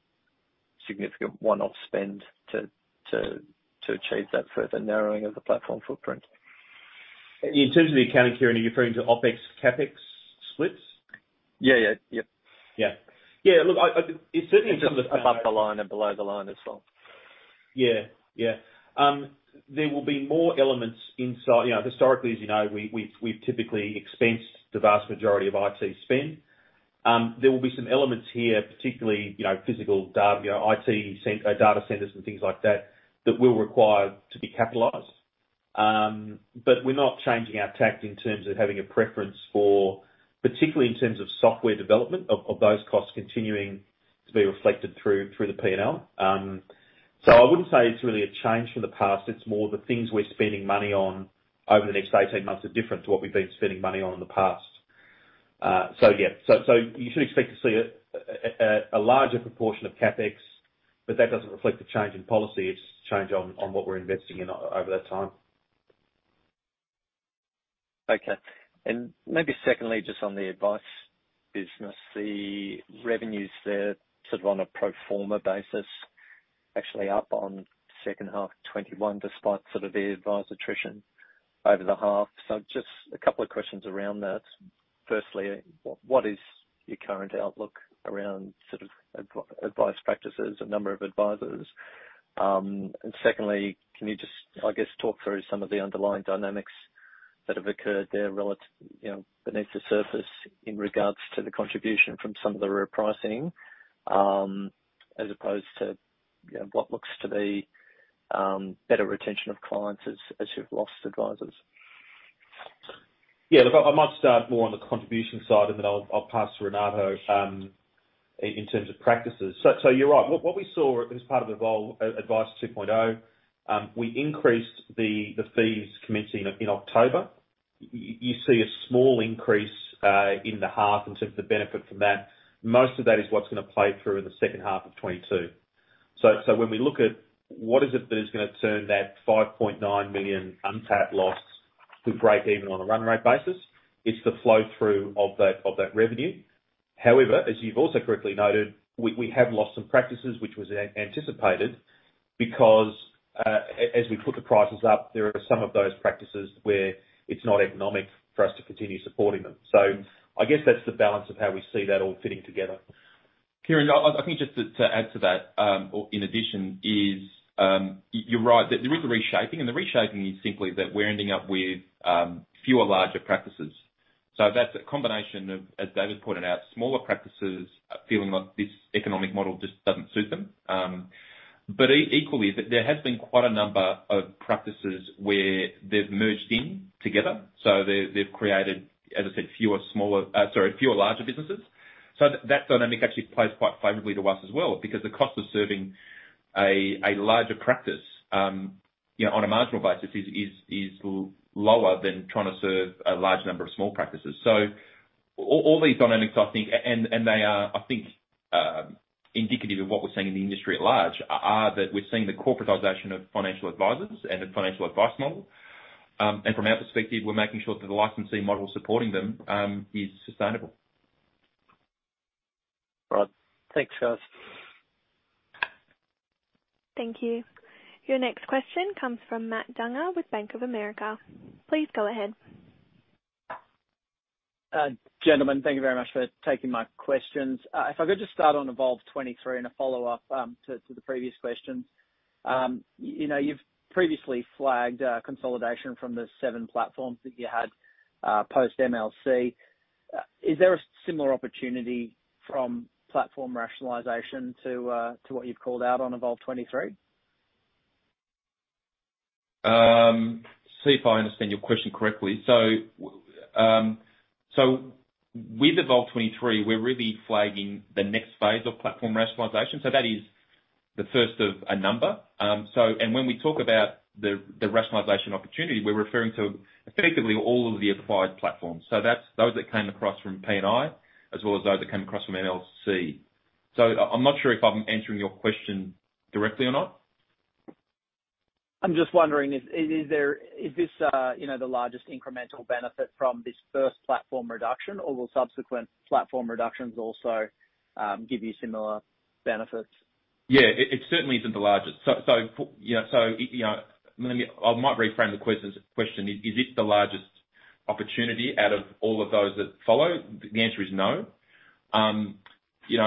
significant one-off spend to achieve that further narrowing of the platform footprint? In terms of the accounting, Kieren, are you referring to OpEx, CapEx splits? Yeah, yeah. Yep. Yeah, look, I. It certainly In terms of above the line and below the line as well. Yeah, yeah. There will be more elements inside. You know, historically, as you know, we've typically expensed the vast majority of IT spend. There will be some elements here, particularly, you know, physical data centers and things like that will require to be capitalized. We're not changing our tack in terms of having a preference for, particularly in terms of software development, of those costs continuing to be reflected through the P&L. I wouldn't say it's really a change from the past. It's more the things we're spending money on over the next 18 months are different to what we've been spending money on in the past. Yeah. You should expect to see a larger proportion of CapEx, but that doesn't reflect a change in policy. It's a change on what we're investing in over that time. Okay. Maybe secondly, just on the advice business. The revenues there sort of on a pro forma basis, actually up on second half 2021, despite sort of the advisor attrition over the half. Just a couple of questions around that. Firstly, what is your current outlook around sort of advice practices and number of advisors? And secondly, can you just, I guess, talk through some of the underlying dynamics that have occurred there you know, beneath the surface in regards to the contribution from some of the repricing, as opposed to, you know, what looks to be, better retention of clients as you've lost advisors. Yeah, look, I might start more on the contribution side and then I'll pass to Renato in terms of practices. You're right. What we saw as part of Evolve Advice 2.0, we increased the fees commencing in October. You see a small increase in the half in terms of the benefit from that. Most of that is what's gonna play through in the second half of 2022. When we look at what is it that is gonna turn that 5.9 million NPAT loss to breakeven on a run rate basis, it's the flow through of that revenue. However, as you've also correctly noted, we have lost some practices, which was anticipated because, as we put the prices up, there are some of those practices where it's not economic for us to continue supporting them. I guess that's the balance of how we see that all fitting together. Kieren, I think just to add to that, or in addition, you're right. There is a reshaping, and the reshaping is simply that we're ending up with fewer larger practices. That's a combination of, as David pointed out, smaller practices feeling like this economic model just doesn't suit them. Equally, there has been quite a number of practices where they've merged in together. They've created, as I said, fewer larger businesses. That dynamic actually plays quite favorably to us as well. Because the cost of serving a larger practice, you know, on a marginal basis is lower than trying to serve a large number of small practices. All these dynamics, I think, and they are, I think. Indicative of what we're seeing in the industry at large are that we're seeing the corporatization of financial advisors and the financial advice model. From our perspective, we're making sure that the licensee model supporting them is sustainable. Right. Thanks, guys. Thank you. Your next question comes from Matt Dunger with Bank of America Merrill Lynch. Please go ahead. Gentlemen, thank you very much for taking my questions. If I could just start on Evolve23 and a follow-up to the previous questions. You know, you've previously flagged a consolidation from the seven platforms that you had post MLC. Is there a similar opportunity from platform rationalization to what you've called out on Evolve23? See if I understand your question correctly. With Evolve23, we're really flagging the next phase of platform rationalization. That is the first of a number. When we talk about the rationalization opportunity, we're referring to effectively all of the acquired platforms. That's those that came across from P&I, as well as those that came across from MLC. I'm not sure if I'm answering your question directly or not. I'm just wondering if this is the largest incremental benefit from this first platform reduction, or will subsequent platform reductions also give you similar benefits? Yeah. It certainly isn't the largest. I might reframe the question. Is it the largest opportunity out of all of those that follow? The answer is no. You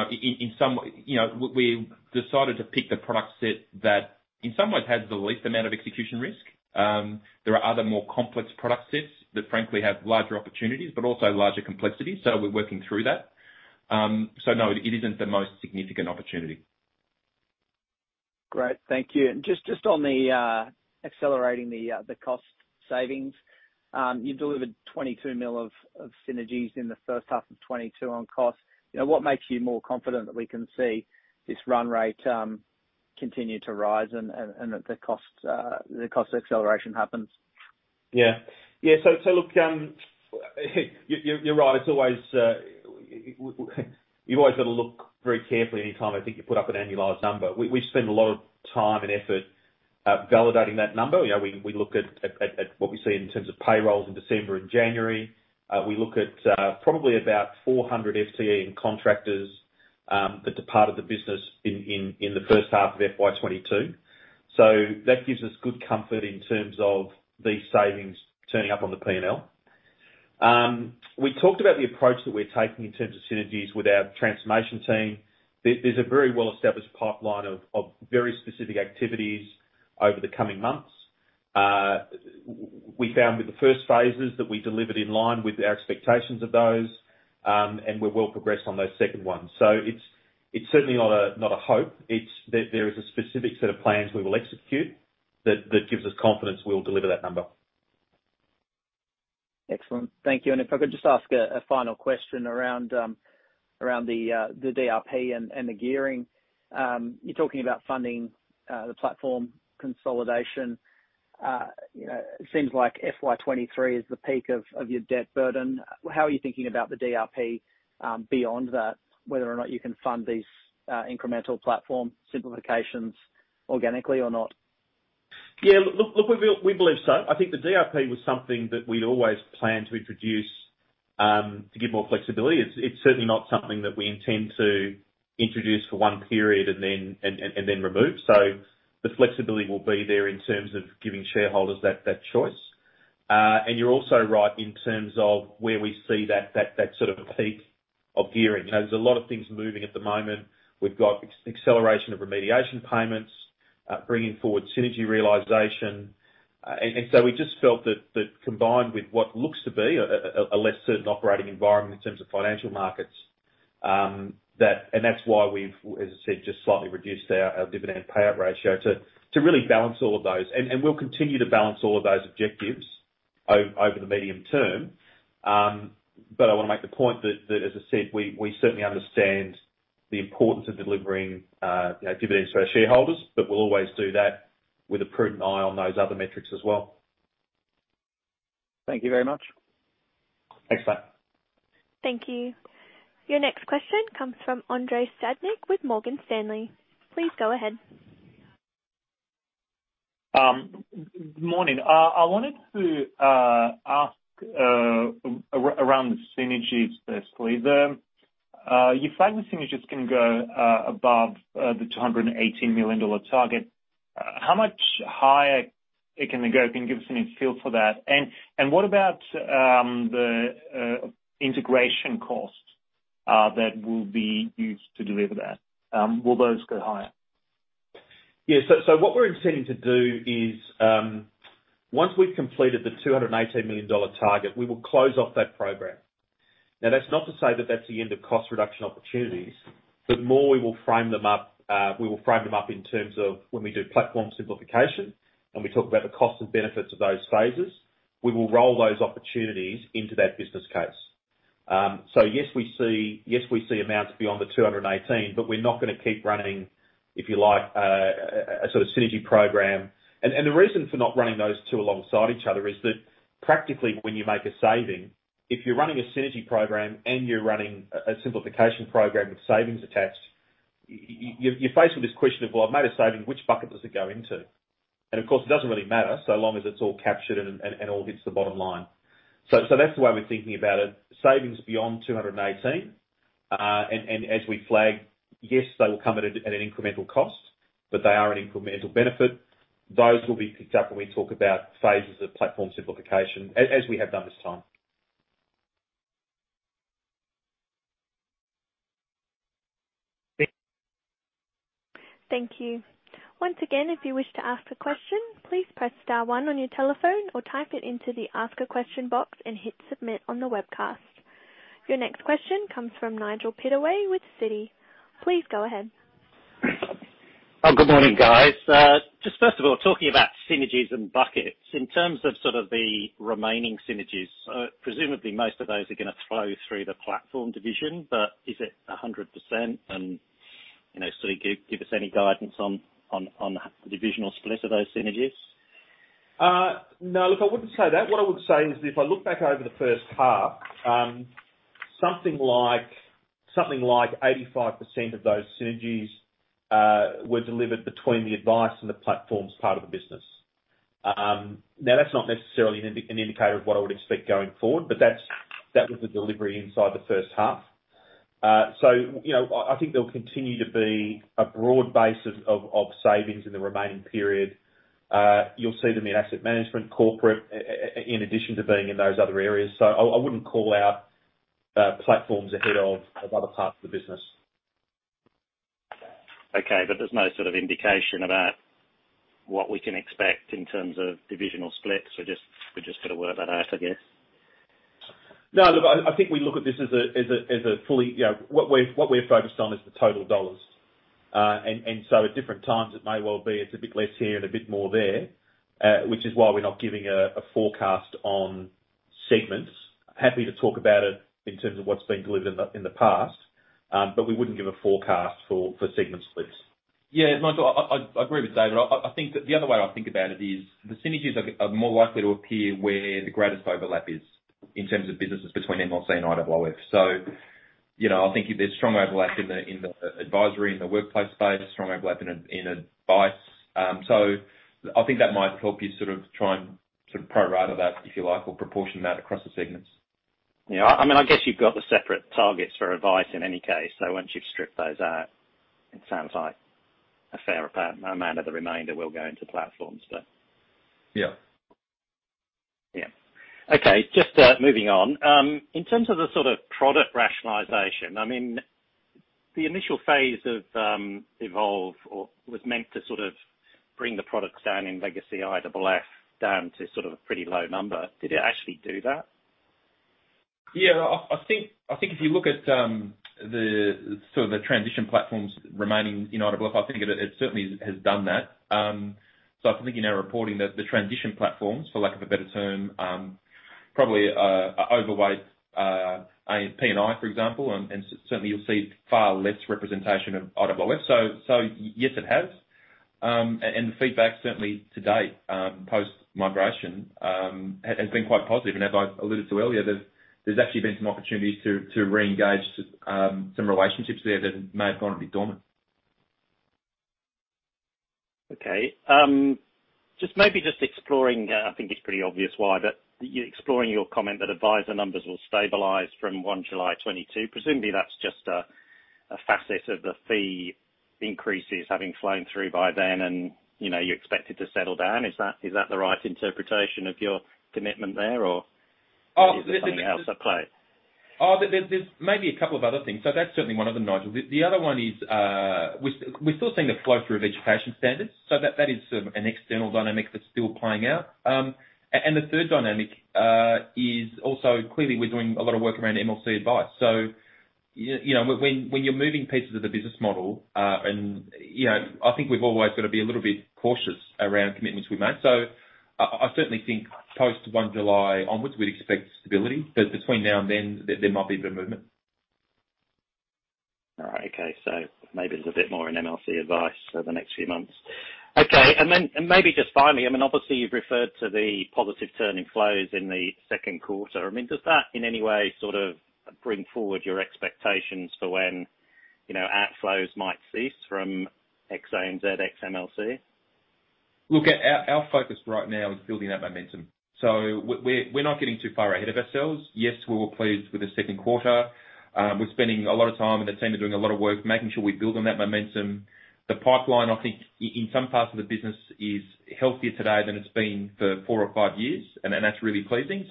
know, we decided to pick the product set that in some ways has the least amount of execution risk. There are other more complex product sets that frankly have larger opportunities, but also larger complexities, so we're working through that. No, it isn't the most significant opportunity. Great. Thank you. Just on accelerating the cost savings. You delivered 22 million of synergies in the first half of 2022 on cost. You know, what makes you more confident that we can see this run rate continue to rise and that the cost acceleration happens? Yeah. Look, you're right. It's always. You've always got to look very carefully any time I think you put up an annualized number. We spend a lot of time and effort validating that number. You know, we look at what we see in terms of payrolls in December and January. We look at probably about 400 FTE and contractors that departed the business in the first half of FY 2022. That gives us good comfort in terms of these savings turning up on the P&L. We talked about the approach that we're taking in terms of synergies with our transformation team. There's a very well-established pipeline of very specific activities over the coming months. We found with the first phases that we delivered in line with our expectations of those, and we're well progressed on those second ones. It's certainly not a hope. It's that there is a specific set of plans we will execute that gives us confidence we'll deliver that number. Excellent. Thank you. If I could just ask a final question around the DRP and the gearing. You're talking about funding the platform consolidation. You know, it seems like FY 2023 is the peak of your debt burden. How are you thinking about the DRP beyond that, whether or not you can fund these incremental platform simplifications organically or not? Yeah. Look, we believe so. I think the DRP was something that we'd always planned to introduce to give more flexibility. It's certainly not something that we intend to introduce for one period and then remove. The flexibility will be there in terms of giving shareholders that choice. You're also right in terms of where we see that sort of peak of gearing. You know, there's a lot of things moving at the moment. We've got acceleration of remediation payments, bringing forward synergy realization. We just felt that combined with what looks to be a less certain operating environment in terms of financial markets, that. That's why we've, as I said, just slightly reduced our dividend payout ratio to really balance all of those. We'll continue to balance all of those objectives over the medium term. I wanna make the point that, as I said, we certainly understand the importance of delivering dividends to our shareholders, but we'll always do that with a prudent eye on those other metrics as well. Thank you very much. Thanks, Matt. Thank you. Your next question comes from Andrei Stadnik with Morgan Stanley. Please go ahead. Morning. I wanted to ask about the synergies firstly. Do you find the synergies can go above the 218 million dollar target? How much higher can they go? Can you give us any feel for that? And what about the integration costs that will be used to deliver that? Will those go higher? What we're intending to do is, once we've completed the 218 million dollar target, we will close off that program. Now, that's not to say that that's the end of cost reduction opportunities, but more we will frame them up in terms of when we do platform simplification and we talk about the cost and benefits of those phases. We will roll those opportunities into that business case. Yes, we see amounts beyond the 218 million, but we're not gonna keep running. If you like, a sort of synergy program. The reason for not running those two alongside each other is that practically when you make a saving, if you're running a synergy program and you're running a simplification program with savings attached, you're facing this question of, well, I made a saving, which bucket does it go into? Of course it doesn't really matter so long as it's all captured and all hits the bottom line. That's the way we're thinking about it. Savings beyond 218, as we flag, yes, they will come at an incremental cost, but they are an incremental benefit. Those will be picked up when we talk about phases of platform simplification as we have done this time. Thank you. Once again, if you wish to ask a question, please press star one on your telephone or type it into the ask a question box and hit Submit on the webcast. Your next question comes from Nigel Pittaway with Citi. Please go ahead. Oh, good morning, guys. Just first of all, talking about synergies and buckets. In terms of sort of the remaining synergies, presumably most of those are gonna flow through the platform division, but is it 100%? You know, give us any guidance on the divisional split of those synergies. No. Look, I wouldn't say that. What I would say is if I look back over the first half, something like 85% of those synergies were delivered between the advice and the platforms part of the business. Now that's not necessarily an indicator of what I would expect going forward, but that was the delivery inside the first half. You know, I think there'll continue to be a broad base of savings in the remaining period. You'll see them in asset management, corporate, in addition to being in those other areas. I wouldn't call out platforms ahead of other parts of the business. Okay. There's no sort of indication about what we can expect in terms of divisional splits. We're just gonna work that out, I guess. No, look, I think we look at this as a fully, you know, what we're focused on is the total dollars. And so at different times it may well be it's a bit less here and a bit more there, which is why we're not giving a forecast on segments. Happy to talk about it in terms of what's been delivered in the past, but we wouldn't give a forecast for segment splits. Yeah, Nigel. I agree with David. I think that the other way I think about it is the synergies are more likely to appear where the greatest overlap is in terms of businesses between MLC and IOOF. You know, I think there's strong overlap in the advisory, in the workplace space, strong overlap in advice. I think that might help you sort of try and sort of pro rata that, if you like, or proportion that across the segments. Yeah. I mean, I guess you've got the separate targets for advice in any case. Once you've stripped those out, it sounds like a fair amount of the remainder will go into platforms, but. Yeah. Yeah. Okay. Just moving on. In terms of the sort of product rationalization, I mean, the initial phase of Evolve21 was meant to sort of bring the products down in legacy IOOF down to sort of a pretty low number. Did it actually do that? Yeah. I think if you look at the sort of transition platforms remaining in IOOF, I think it certainly has done that. I think in our reporting that the transition platforms, for lack of a better term, probably P&I for example. Certainly you'll see far less representation of IOOF. Yes, it has. The feedback certainly to date, post-migration, has been quite positive. As I alluded to earlier, there's actually been some opportunities to reengage some relationships there that may have gone a bit dormant. Okay. I think it's pretty obvious why, but exploring your comment that advisor numbers will stabilize from 1 July 2022. Presumably that's just a facet of the fee increases having flowed through by then and, you know, you expect it to settle down. Is that the right interpretation of your commitment there or- Oh- Is there something else at play? Oh, there's maybe a couple of other things. That's certainly one of them, Nigel. The other one is, we're still seeing the flow through of education standards. That is sort of an external dynamic that's still playing out. The third dynamic is also clearly we're doing a lot of work around MLC Advice. You know, when you're moving pieces of the business model, and you know, I think we've always got to be a little bit cautious around commitments we make. I certainly think post-1 July onwards, we'd expect stability. Between now and then, there might be a bit of movement. All right. Okay. Maybe there's a bit more in MLC Advice for the next few months. Okay. Maybe just finally, I mean, obviously you've referred to the positive turning flows in the second quarter. I mean, does that in any way sort of bring forward your expectations for when, you know, outflows might cease from ex-ANZ and ex-MLC? Look, our focus right now is building that momentum. We're not getting too far ahead of ourselves. Yes, we were pleased with the second quarter. We're spending a lot of time, and the team are doing a lot of work making sure we build on that momentum. The pipeline, I think in some parts of the business is healthier today than it's been for four or five years, and that's really pleasing.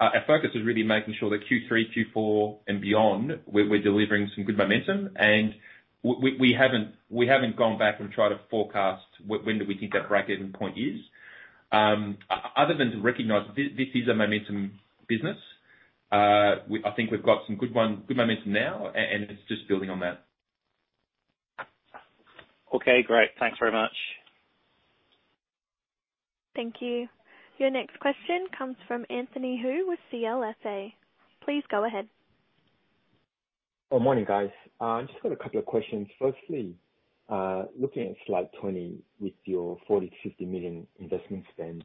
Our focus is really making sure that Q3, Q4 and beyond, we're delivering some good momentum. We haven't gone back and tried to forecast when do we think that break-even point is. Other than to recognize this is a momentum business. I think we've got some good momentum now, and it's just building on that. Okay, great. Thanks very much. Thank you. Your next question comes from Anthony Hoo with CLSA. Please go ahead. Morning, guys. I just got a couple of questions. First, looking at slide 20 with your 40 million to 50 million investment spend,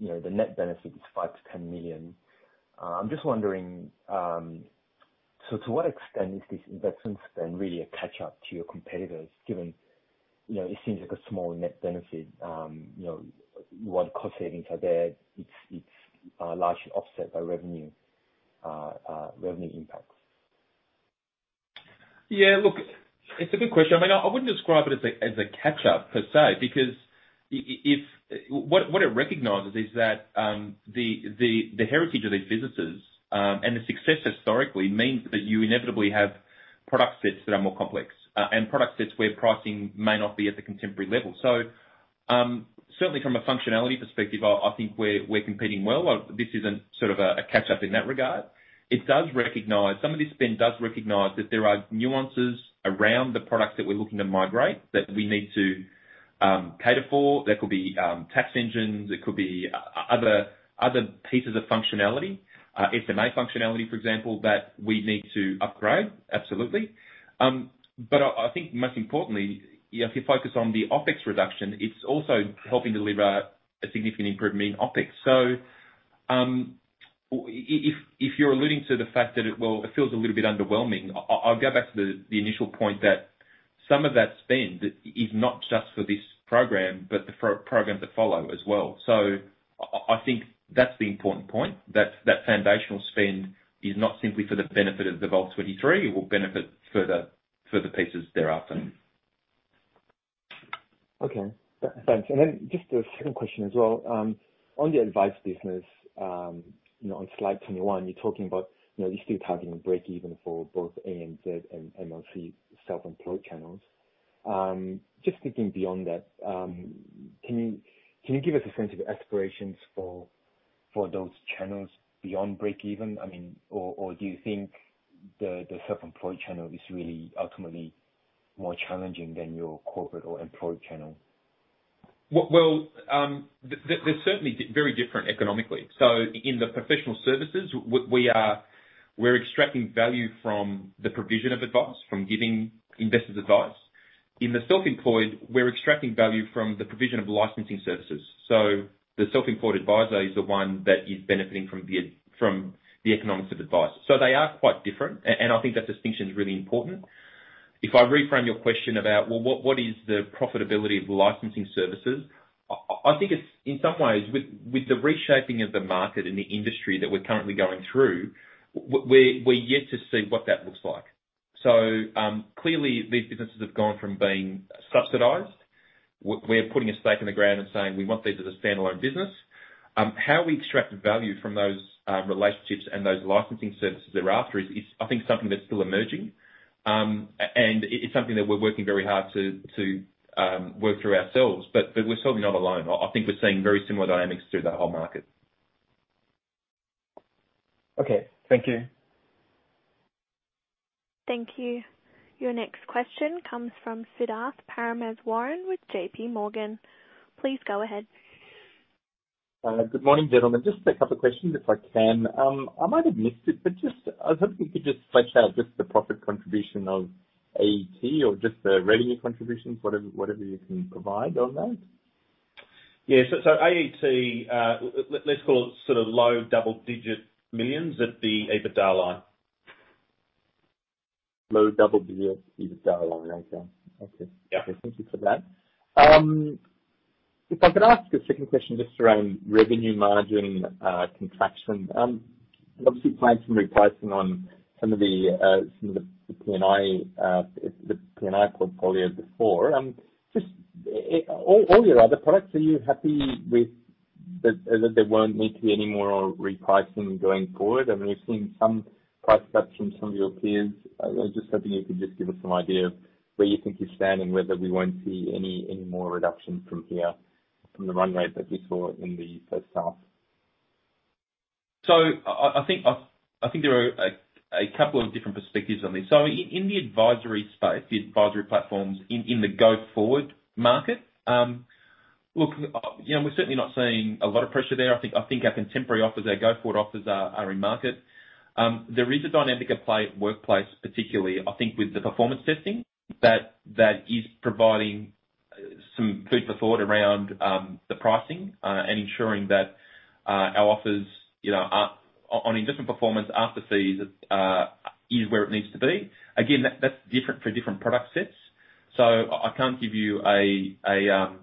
you know, the net benefit is 5 million to 10 million. I'm just wondering, so to what extent is this investment spend really a catch-up to your competitors given, you know, it seems like a small net benefit, you know, what cost savings are there? It's largely offset by revenue impacts. Yeah. Look, it's a good question. I mean, I wouldn't describe it as a catch-up per se because if what it recognizes is that the heritage of these businesses and the success historically means that you inevitably have product sets that are more complex and product sets where pricing may not be at the contemporary level. Certainly from a functionality perspective, I think we're competing well. This isn't sort of a catch-up in that regard. It does recognize. Some of this spend does recognize that there are nuances around the products that we're looking to migrate that we need to cater for. That could be tax engines. It could be other pieces of functionality, SMA functionality, for example, that we need to upgrade, absolutely. I think most importantly, if you focus on the OpEx reduction, it's also helping deliver a significant improvement in OpEx. If you're alluding to the fact that it, well, it feels a little bit underwhelming, I'll go back to the initial point that some of that spend is not just for this program but the programs that follow as well. I think that's the important point, that foundational spend is not simply for the benefit of the Evolve23. It will benefit further pieces thereafter. Okay. Thanks. Just a second question as well. On the advice business, you know, on slide 21, you're talking about, you know, you're still targeting breakeven for both ANZ and MLC self-employed channels. Just thinking beyond that, can you give us a sense of aspirations for those channels beyond breakeven? I mean, or do you think the self-employed channel is really ultimately more challenging than your corporate or employed channel? Well, they're certainly very different economically. In the professional services, we are extracting value from the provision of advice, from giving investors advice. In the self-employed, we're extracting value from the provision of licensing services. The self-employed advisor is the one that is benefiting from the economics of advice. They are quite different. I think that distinction is really important. If I reframe your question about, well, what is the profitability of the licensing services, I think it's in some ways with the reshaping of the market and the industry that we're currently going through, we're yet to see what that looks like. Clearly these businesses have gone from being subsidized. We're putting a stake in the ground and saying we want these as a standalone business. How we extracted value from those relationships and those licensing services thereafter is, I think something that's still emerging. It's something that we're working very hard to work through ourselves. We're certainly not alone. I think we're seeing very similar dynamics through that whole market. Okay. Thank you. Thank you. Your next question comes from Siddharth Parameswaran with J.P. Morgan. Please go ahead. Good morning, gentlemen. Just a couple questions if I can. I might have missed it, but just I was hoping you could just flesh out just the profit contribution of AET or just the revenue contributions, whatever you can provide on that. Let's call it sort of low double-digit millions at the EBITDA line. Low double digits EBITDA line. Okay. Okay. Yeah. Thank you for that. If I could ask a second question just around revenue margin contraction. Obviously planned some repricing on some of the P&I portfolio before. Just all your other products, are you happy with that there won't need to be any more repricing going forward? I mean, we've seen some price cuts from some of your peers. I was just hoping you could just give us some idea of where you think you're standing, whether we won't see any more reduction from here from the run rate that we saw in the first half. I think there are a couple of different perspectives on this. In the advisory space, the advisory platforms in the go-forward market, you know, we're certainly not seeing a lot of pressure there. I think our contemporary offers, our go-forward offers are in market. There is a dynamic at play at workplace particularly, I think with the performance testing that is providing some food for thought around the pricing and ensuring that our offers, you know, are on a different performance after fees is where it needs to be. Again, that's different for different product sets. I can't give you a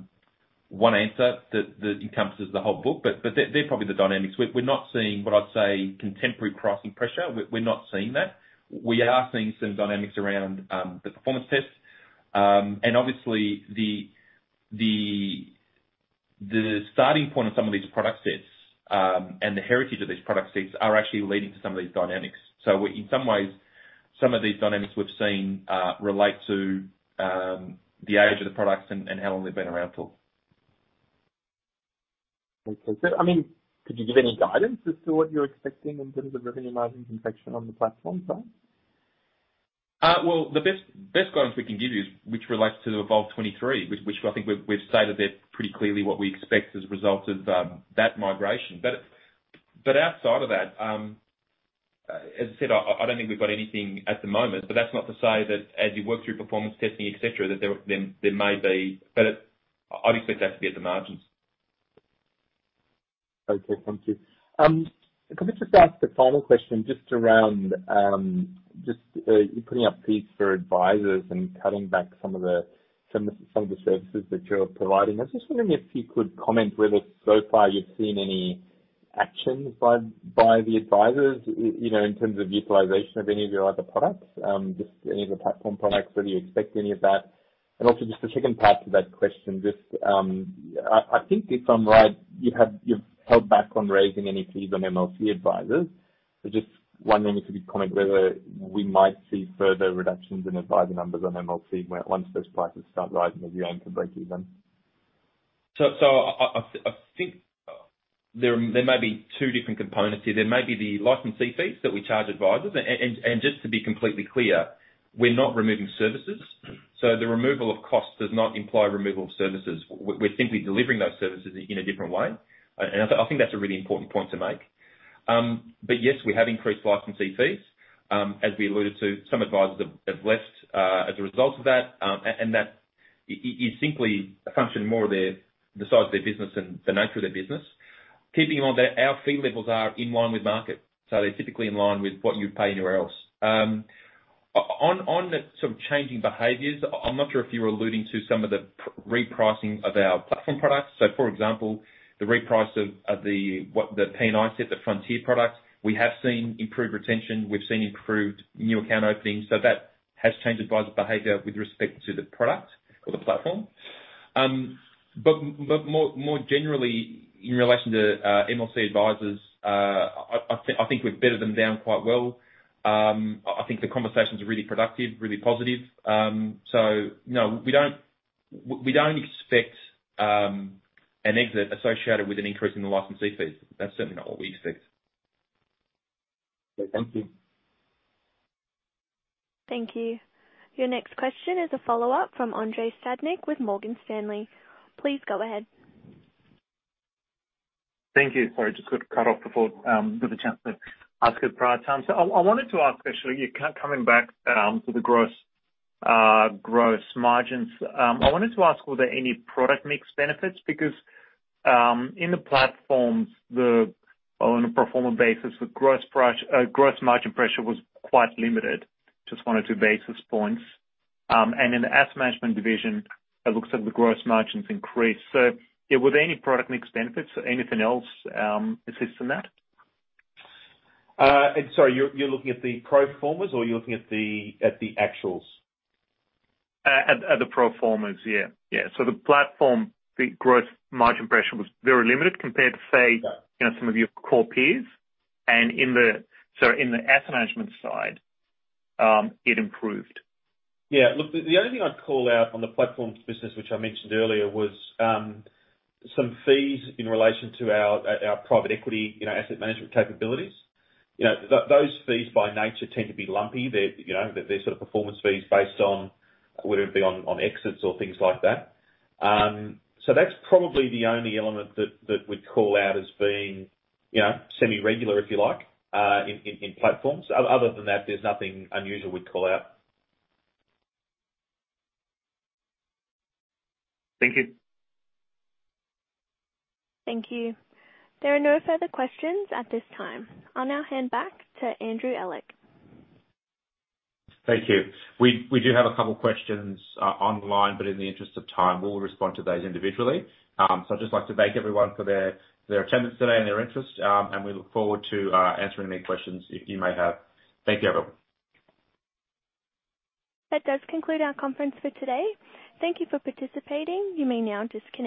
one answer that encompasses the whole book, but they're probably the dynamics. We're not seeing what I'd say contemporary pricing pressure. We're not seeing that. We are seeing some dynamics around the performance tests. Obviously the starting point of some of these product sets, and the heritage of these product sets are actually leading to some of these dynamics. In some ways, some of these dynamics we've seen relate to the age of the products and how long they've been around for. Okay. I mean, could you give any guidance as to what you're expecting in terms of revenue margin contraction on the platform side? The best guidance we can give you is which relates to Evolve23, which I think we've stated pretty clearly what we expect as a result of that migration. Outside of that, as I said, I don't think we've got anything at the moment, but that's not to say that as you work through performance testing, et cetera, that there may be. I'd expect that to be at the margins. Okay. Thank you. Can I just ask a final question just around you're putting up fees for advisors and cutting back some of the services that you're providing. I was just wondering if you could comment whether so far you've seen any action by the advisors, you know, in terms of utilization of any of your other products, just any of the platform products, whether you expect any of that. Also just the second part to that question, I think if I'm right, you have. You've held back on raising any fees on MLC advisors. So just wondering if you could comment whether we might see further reductions in advisor numbers on MLC once those prices start rising as you aim to breakeven. I think there may be two different components here. There may be the licensee fees that we charge advisors. Just to be completely clear, we're not removing services. The removal of costs does not imply removal of services. We're simply delivering those services in a different way. I think that's a really important point to make. Yes, we have increased licensee fees. As we alluded to, some advisors have left as a result of that. That is simply a function more of the size of their business and the nature of their business. Keeping in mind that our fee levels are in line with market, so they're typically in line with what you'd pay anywhere else. On the sort of changing behaviors, I'm not sure if you're alluding to some of the repricing of our platform products. For example, the reprice of the P&I set, the Frontier products, we have seen improved retention, we've seen improved new account openings. That has changed advisor behavior with respect to the product or the platform. More generally in relation to MLC advisors, I think we've bedded them down quite well. I think the conversations are really productive, really positive. No, we don't expect an exit associated with an increase in the licensee fees. That's certainly not what we expect. Okay. Thank you. Thank you. Your next question is a follow-up from Andrei Stadnik with Morgan Stanley. Please go ahead. Thank you. Sorry, just got cut off before, got a chance to ask a prior time. I wanted to ask, actually, you coming back to the gross margins. I wanted to ask, were there any product mix benefits? Because in the platforms, on a pro forma basis, the gross margin pressure was quite limited, just one or two basis points. And in the asset management division, it looks like the gross margins increased. Yeah, were there any product mix benefits or anything else assisting that? Sorry, you're looking at the pro formas or you're looking at the actuals? At the pro formas. Yeah. The platform, the growth margin pressure was very limited compared to, say- Yeah. You know, some of your core peers. In the asset management side, it improved. Yeah. Look, the only thing I'd call out on the platforms business, which I mentioned earlier, was some fees in relation to our private equity, you know, asset management capabilities. You know, those fees by nature tend to be lumpy. They're, you know, they're sort of performance fees based on whether it be on exits or things like that. So that's probably the only element that we'd call out as being, you know, semi-regular, if you like, in platforms. Other than that, there's nothing unusual we'd call out. Thank you. Thank you. There are no further questions at this time. I'll now hand back to Andrew Ehlich. Thank you. We do have a couple of questions online, but in the interest of time, we'll respond to those individually. I'd just like to thank everyone for their attendance today and their interest, and we look forward to answering any questions you may have. Thank you, everyone. That does conclude our conference for today. Thank you for participating. You may now disconnect.